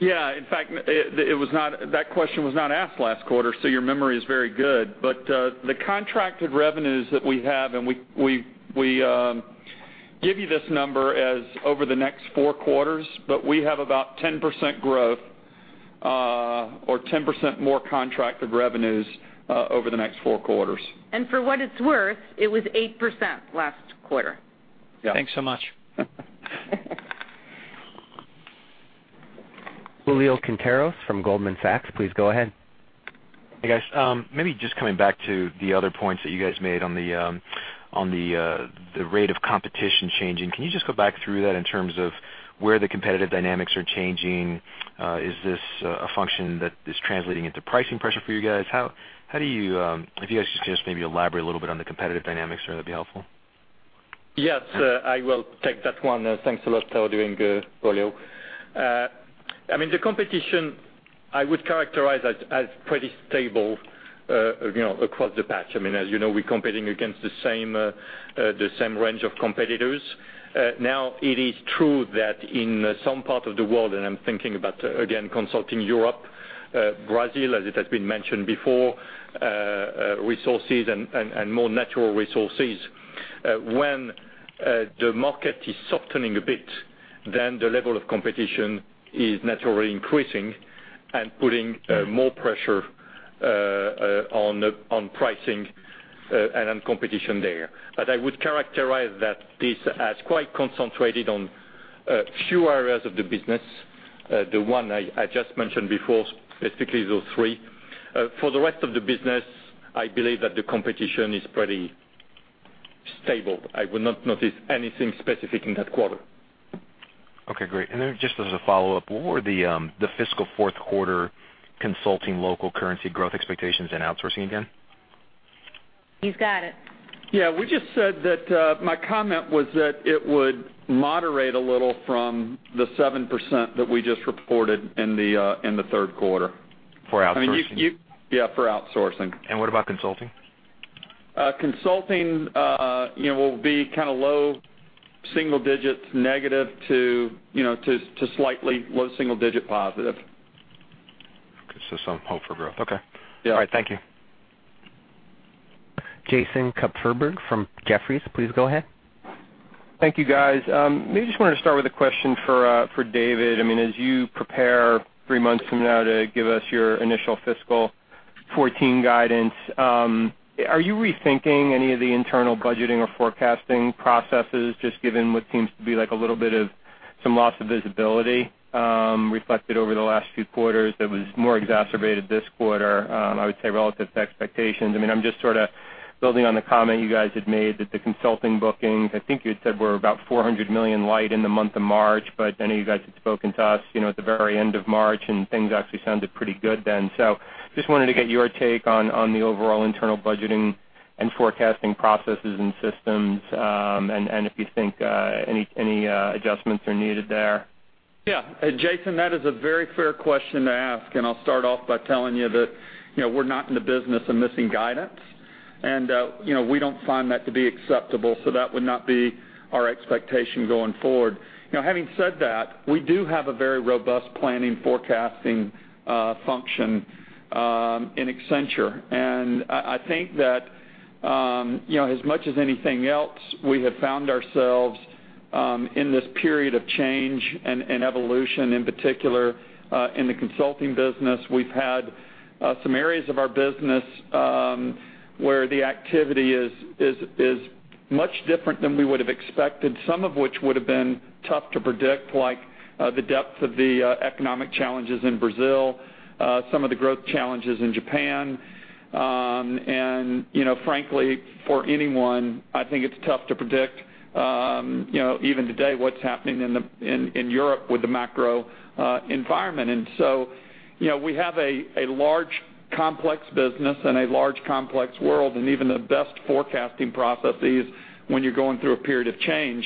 Yeah. In fact, that question was not asked last quarter, your memory is very good. The contracted revenues that we have, and we give you this number as over the next four quarters, we have about 10% growth or 10% more contracted revenues over the next four quarters. For what it's worth, it was 8% last quarter. Yeah. Thanks so much. Julio Quinteros from Goldman Sachs, please go ahead. Hey, guys. Maybe just coming back to the other points that you guys made on the rate of competition changing. Can you just go back through that in terms of where the competitive dynamics are changing? Is this a function that is translating into pricing pressure for you guys? If you guys could just maybe elaborate a little bit on the competitive dynamics, that'd be helpful. Yes, I will take that one. Thanks a lot for doing, Julio. The competition I would characterize as pretty stable across the patch. As you know, we're competing against the same range of competitors. Now, it is true that in some part of the world, and I'm thinking about, again, consulting Europe, Brazil, as it has been mentioned before, resources and more natural resources. When the market is softening a bit, then the level of competition is naturally increasing and putting more pressure on pricing and on competition there. I would characterize that this as quite concentrated on a few areas of the business, the one I just mentioned before, specifically those three. For the rest of the business, I believe that the competition is pretty stable. I would not notice anything specific in that quarter. Okay, great. Just as a follow-up, what were the fiscal fourth quarter consulting local currency growth expectations and outsourcing again? You've got it. Yeah, my comment was that it would moderate a little from the 7% that we just reported in the third quarter. For outsourcing? Yeah, for outsourcing. What about consulting? Consulting will be low single digits negative to slightly low single digit positive. Okay, some hope for growth. Okay. Yeah. All right. Thank you. Jason Kupferberg from Jefferies, please go ahead. Thank you, guys. Maybe just wanted to start with a question for David. As you prepare three months from now to give us your initial fiscal 2014 guidance, are you rethinking any of the internal budgeting or forecasting processes, just given what seems to be like a little bit of some loss of visibility reflected over the last few quarters that was more exacerbated this quarter, I would say, relative to expectations? I'm just sort of building on the comment you guys had made that the consulting bookings, I think you had said, were about $400 million light in the month of March, but I know you guys had spoken to us at the very end of March, and things actually sounded pretty good then. Just wanted to get your take on the overall internal budgeting and forecasting processes and systems, and if you think any adjustments are needed there. Yeah. Jason, that is a very fair question to ask. I'll start off by telling you that we're not in the business of missing guidance, and we don't find that to be acceptable. That would not be our expectation going forward. Now, having said that, we do have a very robust planning forecasting function in Accenture, and I think that as much as anything else, we have found ourselves in this period of change and evolution, in particular in the consulting business. We've had some areas of our business where the activity is much different than we would have expected, some of which would have been tough to predict, like the depth of the economic challenges in Brazil, some of the growth challenges in Japan. Frankly, for anyone, I think it's tough to predict even today what's happening in Europe with the macro environment. We have a large, complex business and a large, complex world, and even the best forecasting processes when you're going through a period of change,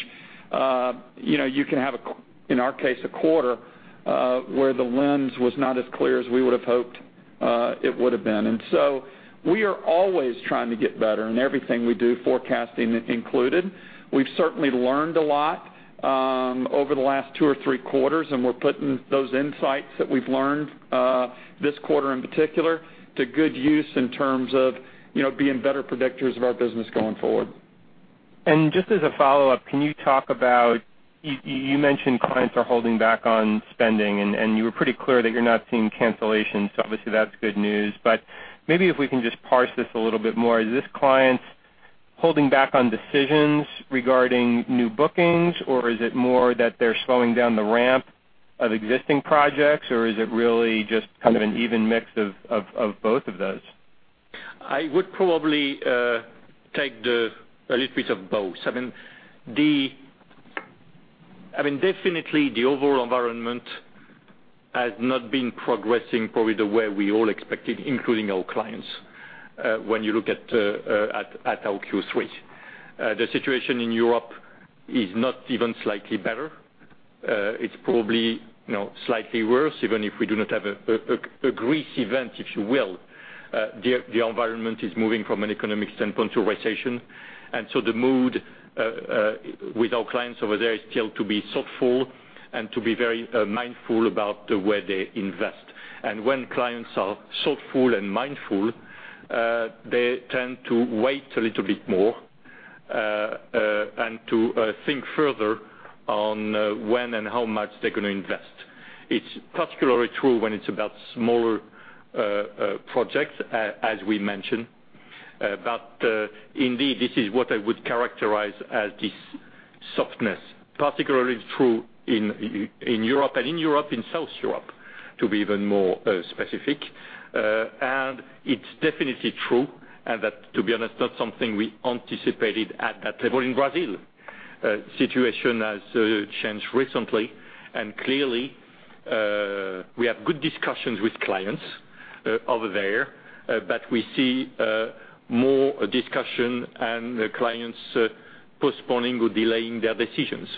you can have, in our case, a quarter where the lens was not as clear as we would have hoped it would have been. We are always trying to get better in everything we do, forecasting included. We've certainly learned a lot over the last two or three quarters, and we're putting those insights that we've learned this quarter in particular to good use in terms of being better predictors of our business going forward. Just as a follow-up, you mentioned clients are holding back on spending, and you were pretty clear that you're not seeing cancellations. Obviously that's good news. Maybe if we can just parse this a little bit more, is this clients holding back on decisions regarding new bookings? Or is it more that they're slowing down the ramp of existing projects? Or is it really just kind of an even mix of both of those? I would probably take a little bit of both. Definitely, the overall environment has not been progressing probably the way we all expected, including our clients, when you look at our Q3. The situation in Europe is not even slightly better. It's probably slightly worse, even if we do not have a Greece event, if you will. The environment is moving from an economic standpoint to recession. The mood with our clients over there is still to be thoughtful and to be very mindful about where they invest. When clients are thoughtful and mindful, they tend to wait a little bit more, and to think further on when and how much they're going to invest. It's particularly true when it's about smaller projects, as we mentioned. Indeed, this is what I would characterize as this softness. Particularly true in Europe, and in Europe, in Southern Europe, to be even more specific. It's definitely true, and that, to be honest, not something we anticipated at that level in Brazil. Situation has changed recently, and clearly, we have good discussions with clients over there, but we see more discussion and the clients postponing or delaying their decisions.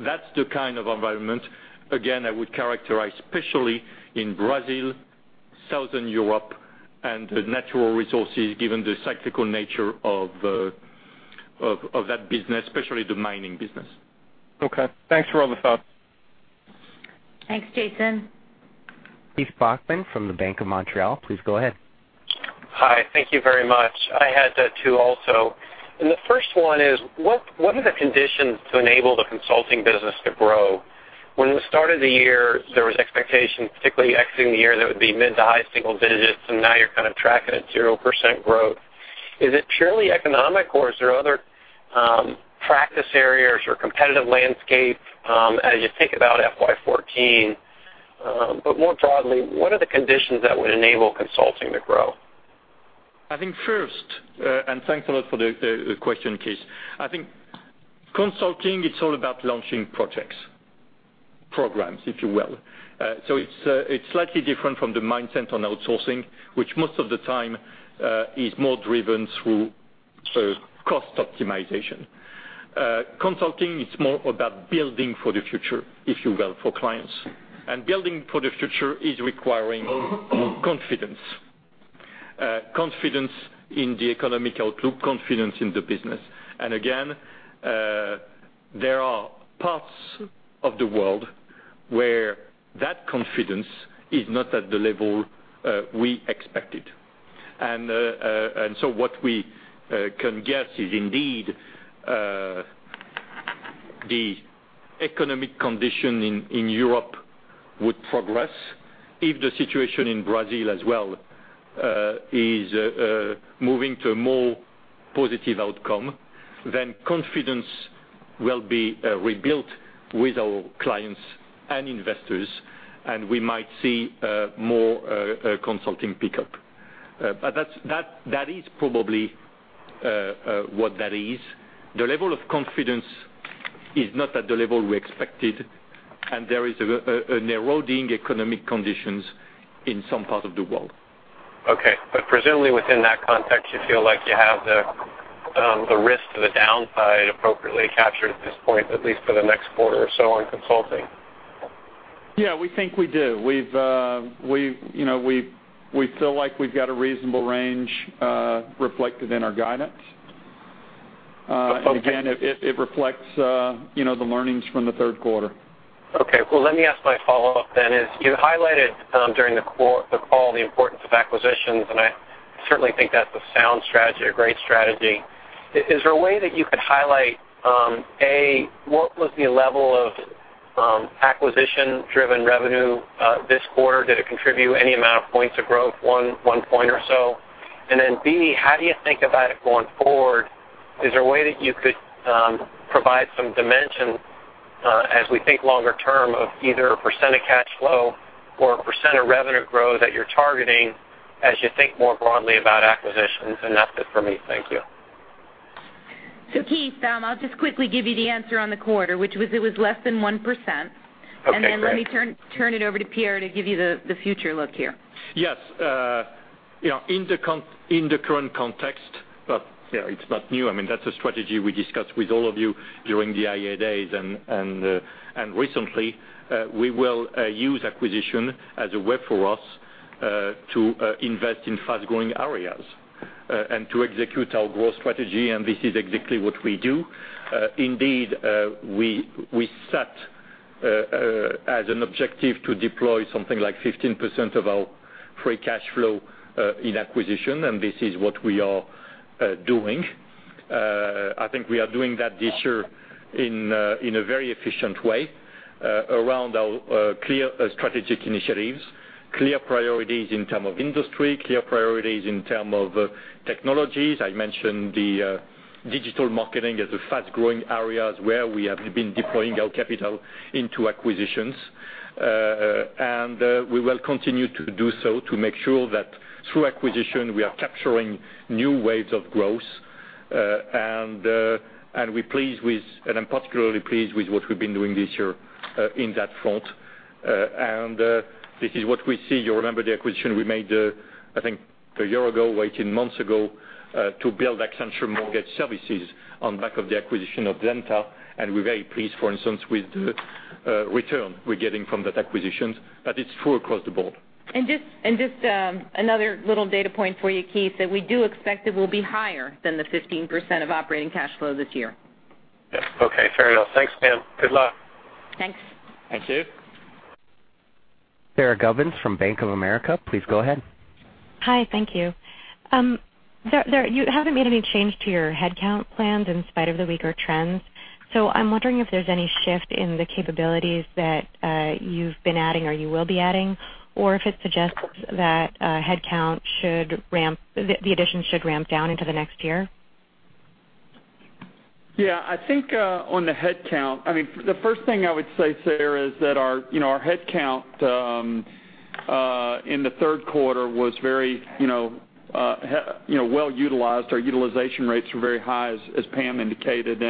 That's the kind of environment, again, I would characterize, especially in Brazil, Southern Europe, and natural resources, given the cyclical nature of that business, especially the mining business. Okay. Thanks for all the thoughts. Thanks, Jason. Keith Bachman from the BMO Capital Markets, please go ahead. Hi. Thank you very much. The first one is, what are the conditions to enable the consulting business to grow? When it started the year, there was expectation, particularly exiting the year, that it would be mid to high single digits, and now you're kind of tracking at 0% growth. Is it purely economic or is there other practice areas or competitive landscape as you think about FY 2014? More broadly, what are the conditions that would enable consulting to grow? I think first, and thanks a lot for the question, Keith. I think consulting, it's all about launching projects. Programs, if you will. It's slightly different from the mindset on outsourcing, which most of the time is more driven through cost optimization. Consulting is more about building for the future, if you will, for clients. Building for the future is requiring confidence. Confidence in the economic outlook, confidence in the business. There are parts of the world where that confidence is not at the level we expected. What we can guess is indeed, the economic condition in Europe would progress. If the situation in Brazil as well is moving to a more positive outcome, then confidence will be rebuilt with our clients and investors, and we might see more consulting pickup. That is probably what that is. The level of confidence is not at the level we expected, and there is an eroding economic conditions in some parts of the world. Okay. Presumably within that context, you feel like you have the risk to the downside appropriately captured at this point, at least for the next quarter or so on consulting? We think we do. We feel like we've got a reasonable range reflected in our guidance. Okay. Again, it reflects the learnings from the third quarter. Let me ask my follow-up then is, you highlighted during the call the importance of acquisitions, and I certainly think that's a sound strategy, a great strategy. Is there a way that you could highlight, A, what was the level of acquisition-driven revenue this quarter? Did it contribute any amount of points of growth, one point or so? Then B, how do you think about it going forward? Is there a way that you could provide some dimension as we think longer term of either a % of cash flow or a % of revenue growth that you're targeting as you think more broadly about acquisitions? That's it for me. Thank you. Keith, I'll just quickly give you the answer on the quarter, which was it was less than 1%. Okay, great. Then let me turn it over to Pierre to give you the future look here. Yes. In the current context, but it's not new. I mean, that's a strategy we discussed with all of you during the IA days and recently. We will use acquisition as a way for us to invest in fast-growing areas. To execute our growth strategy, and this is exactly what we do. Indeed, we set as an objective to deploy something like 15% of our free cash flow in acquisition, and this is what we are doing. I think we are doing that this year in a very efficient way around our clear strategic initiatives, clear priorities in term of industry, clear priorities in term of technologies. I mentioned the digital marketing as a fast-growing area where we have been deploying our capital into acquisitions. We will continue to do so to make sure that through acquisition, we are capturing new waves of growth. I'm particularly pleased with what we've been doing this year In that front. This is what we see. You remember the acquisition we made, I think a year ago, 18 months ago, to build Accenture Mortgage Services on back of the acquisition of Zenta, and we're very pleased, for instance, with the return we're getting from that acquisitions. It's true across the board. Just another little data point for you, Keith, that we do expect it will be higher than the 15% of operating cash flow this year. Yes. Okay, fair enough. Thanks, Pam. Good luck. Thanks. Thank you. Sara Gubins from Bank of America, please go ahead. Hi. Thank you. You haven't made any change to your headcount plans in spite of the weaker trends. I'm wondering if there's any shift in the capabilities that you've been adding or you will be adding, or if it suggests that headcount, the addition should ramp down into the next year. Yeah, I think on the headcount, the first thing I would say, Sara, is that our headcount in the third quarter was very well-utilized. Our utilization rates were very high, as Pam indicated.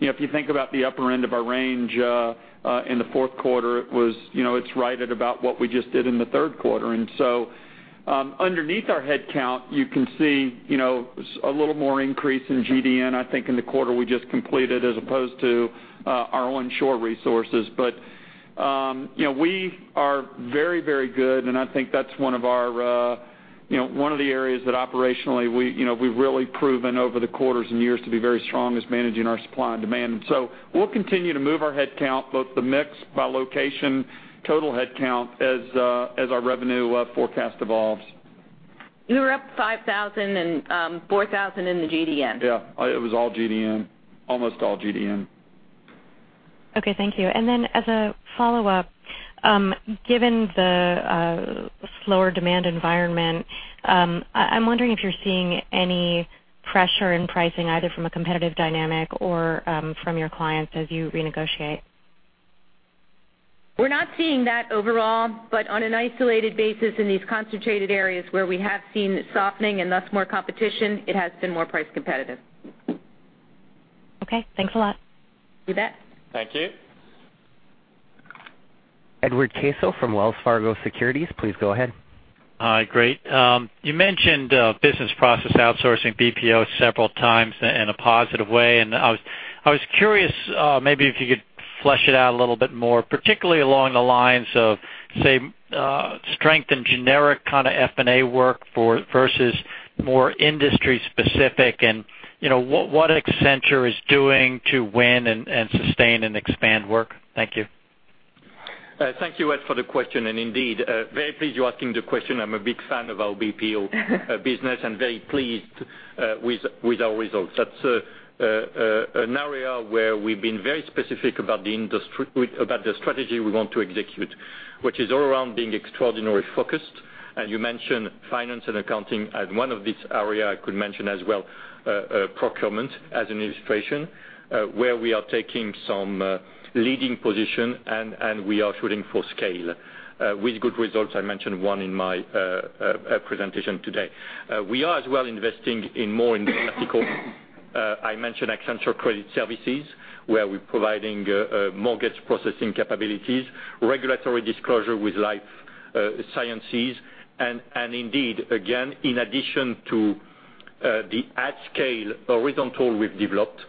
If you think about the upper end of our range, in the fourth quarter, it's right at about what we just did in the third quarter. Underneath our headcount, you can see a little more increase in GDN, I think, in the quarter we just completed, as opposed to our onshore resources. We are very good, and I think that's one of the areas that operationally we've really proven over the quarters and years to be very strong is managing our supply and demand. We'll continue to move our headcount, both the mix by location, total headcount, as our revenue forecast evolves. We were up 5,000 and 4,000 in the GDN. Yeah. It was all GDN. Almost all GDN. Okay, thank you. As a follow-up, given the slower demand environment, I'm wondering if you're seeing any pressure in pricing, either from a competitive dynamic or from your clients as you renegotiate. We're not seeing that overall, but on an isolated basis in these concentrated areas where we have seen softening and thus more competition, it has been more price competitive. Okay. Thanks a lot. You bet. Thank you. Edward Caso from Wells Fargo Securities, please go ahead. Hi. Great. You mentioned business process outsourcing, BPO, several times in a positive way, and I was curious maybe if you could flesh it out a little bit more, particularly along the lines of, say, strength in generic kind of F&A work versus more industry specific and what Accenture is doing to win and sustain and expand work. Thank you. Thank you, Ed, for the question. Indeed, very pleased you're asking the question. I'm a big fan of our BPO business and very pleased with our results. That's an area where we've been very specific about the strategy we want to execute, which is all around being extraordinarily focused. You mentioned finance and accounting as one of these area I could mention as well, procurement as an illustration, where we are taking some leading position and we are shooting for scale with good results. I mentioned one in my presentation today. We are as well investing in more in vertical. I mentioned Accenture Credit Services, where we're providing mortgage processing capabilities, regulatory disclosure with life sciences. Indeed, again, in addition to the at scale horizontal we've developed,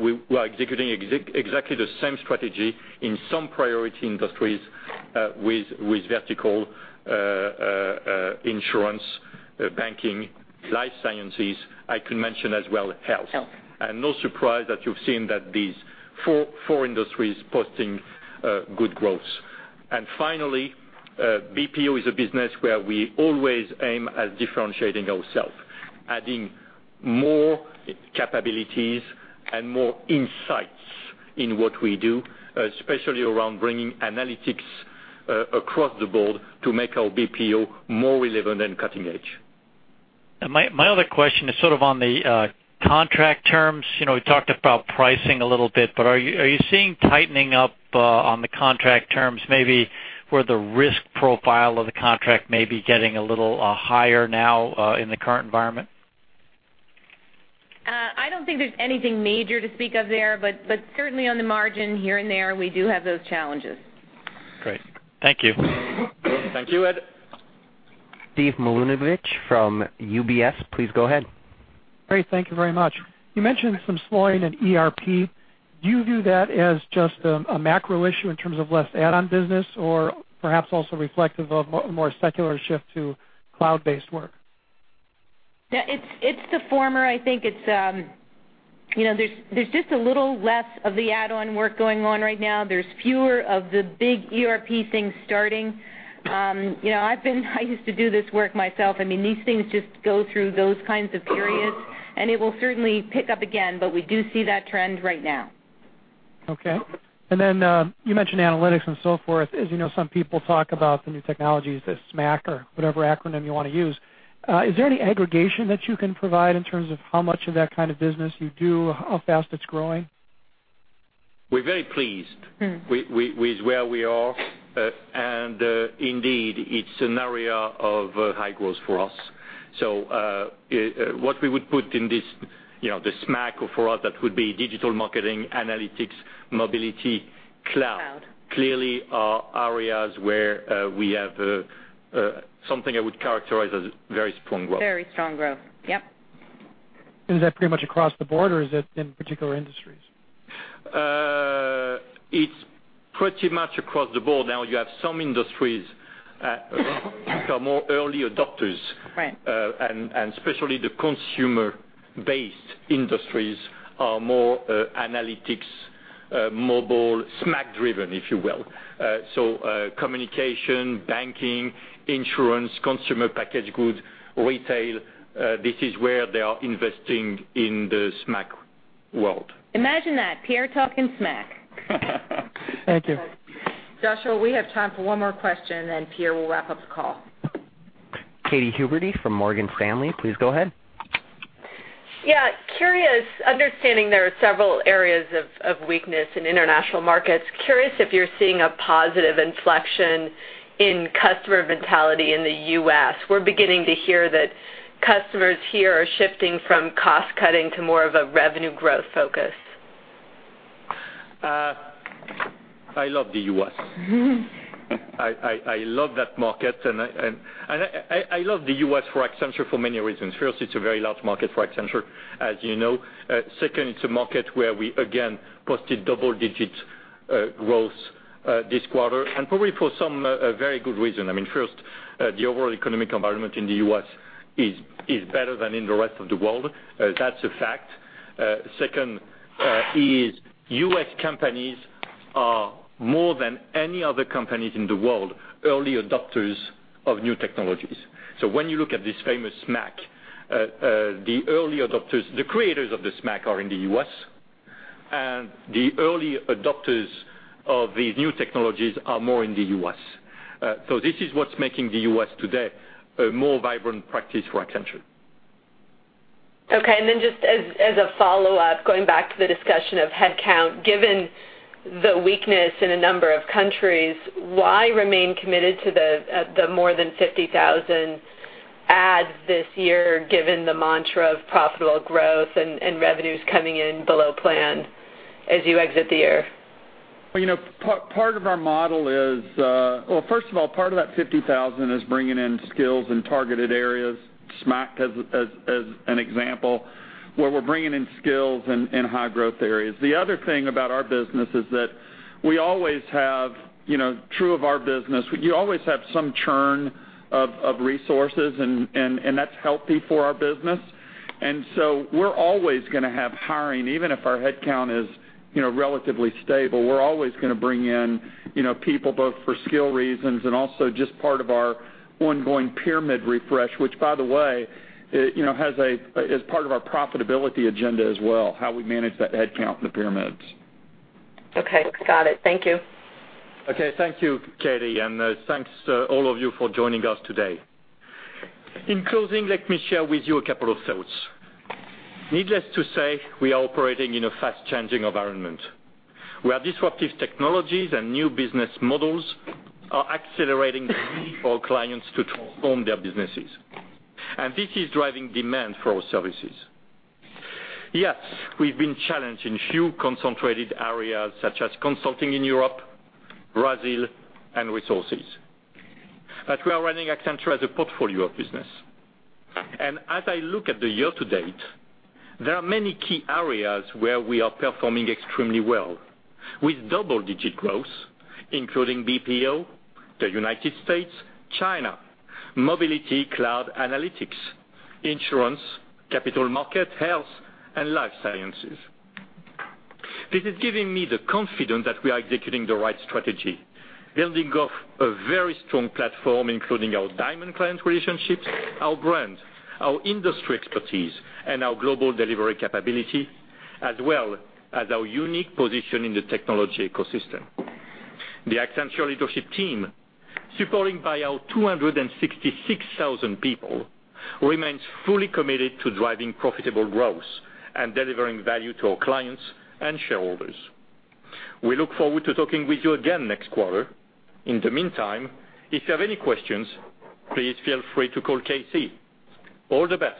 we are executing exactly the same strategy in some priority industries with vertical insurance, banking, life sciences. I could mention as well health. Health. No surprise that you've seen that these four industries posting good growth. Finally, BPO is a business where we always aim at differentiating ourselves, adding more capabilities and more insights in what we do, especially around bringing analytics across the board to make our BPO more relevant and cutting edge. My other question is sort of on the contract terms. We talked about pricing a little bit, but are you seeing tightening up on the contract terms, maybe where the risk profile of the contract may be getting a little higher now in the current environment? I don't think there's anything major to speak of there, but certainly on the margin here and there, we do have those challenges. Great. Thank you. Thank you, Ed. Steve Milunovich from UBS, please go ahead. Great. Thank you very much. You mentioned some slowing in ERP. Do you view that as just a macro issue in terms of less add-on business or perhaps also reflective of more secular shift to cloud-based work? Yeah. It's the former. I think there's just a little less of the add-on work going on right now. There's fewer of the big ERP things starting. I used to do this work myself. These things just go through those kinds of periods, and it will certainly pick up again, but we do see that trend right now. Okay. You mentioned analytics and so forth. As you know, some people talk about the new technologies, the SMAC or whatever acronym you want to use. Is there any aggregation that you can provide in terms of how much of that kind of business you do, how fast it's growing? We're very pleased with where we are. Indeed, it's an area of high growth for us. What we would put in this SMAC for us, that would be digital marketing, analytics, mobility, cloud. Cloud. These clearly are areas where we have something I would characterize as very strong growth. Very strong growth. Yep. Is that pretty much across the board, or is it in particular industries? It's pretty much across the board. Now, you have some industries become more early adopters. Right. Especially the consumer-based industries are more analytics, mobile, SMAC-driven, if you will. Communication, banking, insurance, consumer packaged goods, retail, this is where they are investing in the SMAC world. Imagine that, Pierre talking SMAC. Thank you. Joshua, we have time for one more question, then Pierre will wrap up the call. Katy Huberty from Morgan Stanley, please go ahead. Yeah. Curious, understanding there are several areas of weakness in international markets. Curious if you're seeing a positive inflection in customer mentality in the U.S. We're beginning to hear that customers here are shifting from cost-cutting to more of a revenue growth focus. I love the U.S. I love that market. I love the U.S. for Accenture for many reasons. First, it's a very large market for Accenture, as you know. Second, it's a market where we, again, posted double-digit growth this quarter, and probably for some very good reason. First, the overall economic environment in the U.S. is better than in the rest of the world. That's a fact. Second is, U.S. companies are, more than any other companies in the world, early adopters of new technologies. When you look at this famous SMAC, the creators of the SMAC are in the U.S., and the early adopters of these new technologies are more in the U.S. This is what's making the U.S. today a more vibrant practice for Accenture. Just as a follow-up, going back to the discussion of headcount, given the weakness in a number of countries, why remain committed to the more than 50,000 adds this year, given the mantra of profitable growth and revenues coming in below plan as you exit the year? First of all, part of that 50,000 is bringing in skills in targeted areas, SMAC as an example, where we're bringing in skills in high-growth areas. The other thing about our business is that true of our business, you always have some churn of resources, and that's healthy for our business. We're always going to have hiring, even if our headcount is relatively stable. We're always going to bring in people both for skill reasons and also just part of our ongoing pyramid refresh, which by the way, is part of our profitability agenda as well, how we manage that headcount in the pyramids. Okay. Got it. Thank you. Okay. Thank you, Katy, and thanks to all of you for joining us today. In closing, let me share with you a couple of thoughts. Needless to say, we are operating in a fast-changing environment, where disruptive technologies and new business models are accelerating our clients to transform their businesses. This is driving demand for our services. Yes, we've been challenged in few concentrated areas such as consulting in Europe, Brazil, and resources. We are running Accenture as a portfolio of business. As I look at the year to date, there are many key areas where we are performing extremely well. With double-digit growth, including BPO, the U.S., China, mobility, cloud analytics, insurance, capital market, health, and life sciences. This is giving me the confidence that we are executing the right strategy, building off a very strong platform, including our diamond client relationships, our brand, our industry expertise, and our global delivery capability, as well as our unique position in the technology ecosystem. The Accenture leadership team, supported by our 266,000 people, remains fully committed to driving profitable growth and delivering value to our clients and shareholders. We look forward to talking with you again next quarter. In the meantime, if you have any questions, please feel free to call KC. All the best.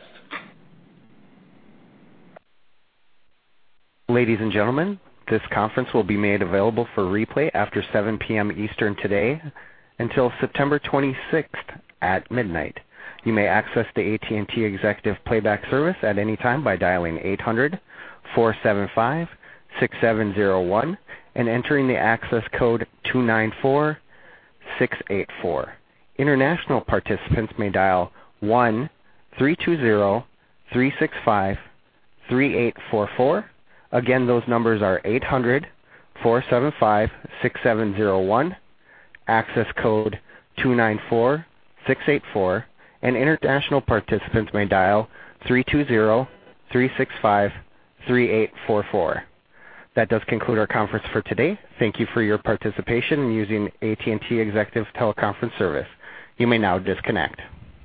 Ladies and gentlemen, this conference will be made available for replay after 7:00 P.M. Eastern today until September 26th at midnight. You may access the AT&T Executive Playback Service at any time by dialing 800-475-6701 and entering the access code 294684. International participants may dial 1-320-365-3844. Again, those numbers are 800-475-6701, access code 294684, and international participants may dial 320-365-3844. That does conclude our conference for today. Thank you for your participation in using AT&T Executive Teleconference Service. You may now disconnect.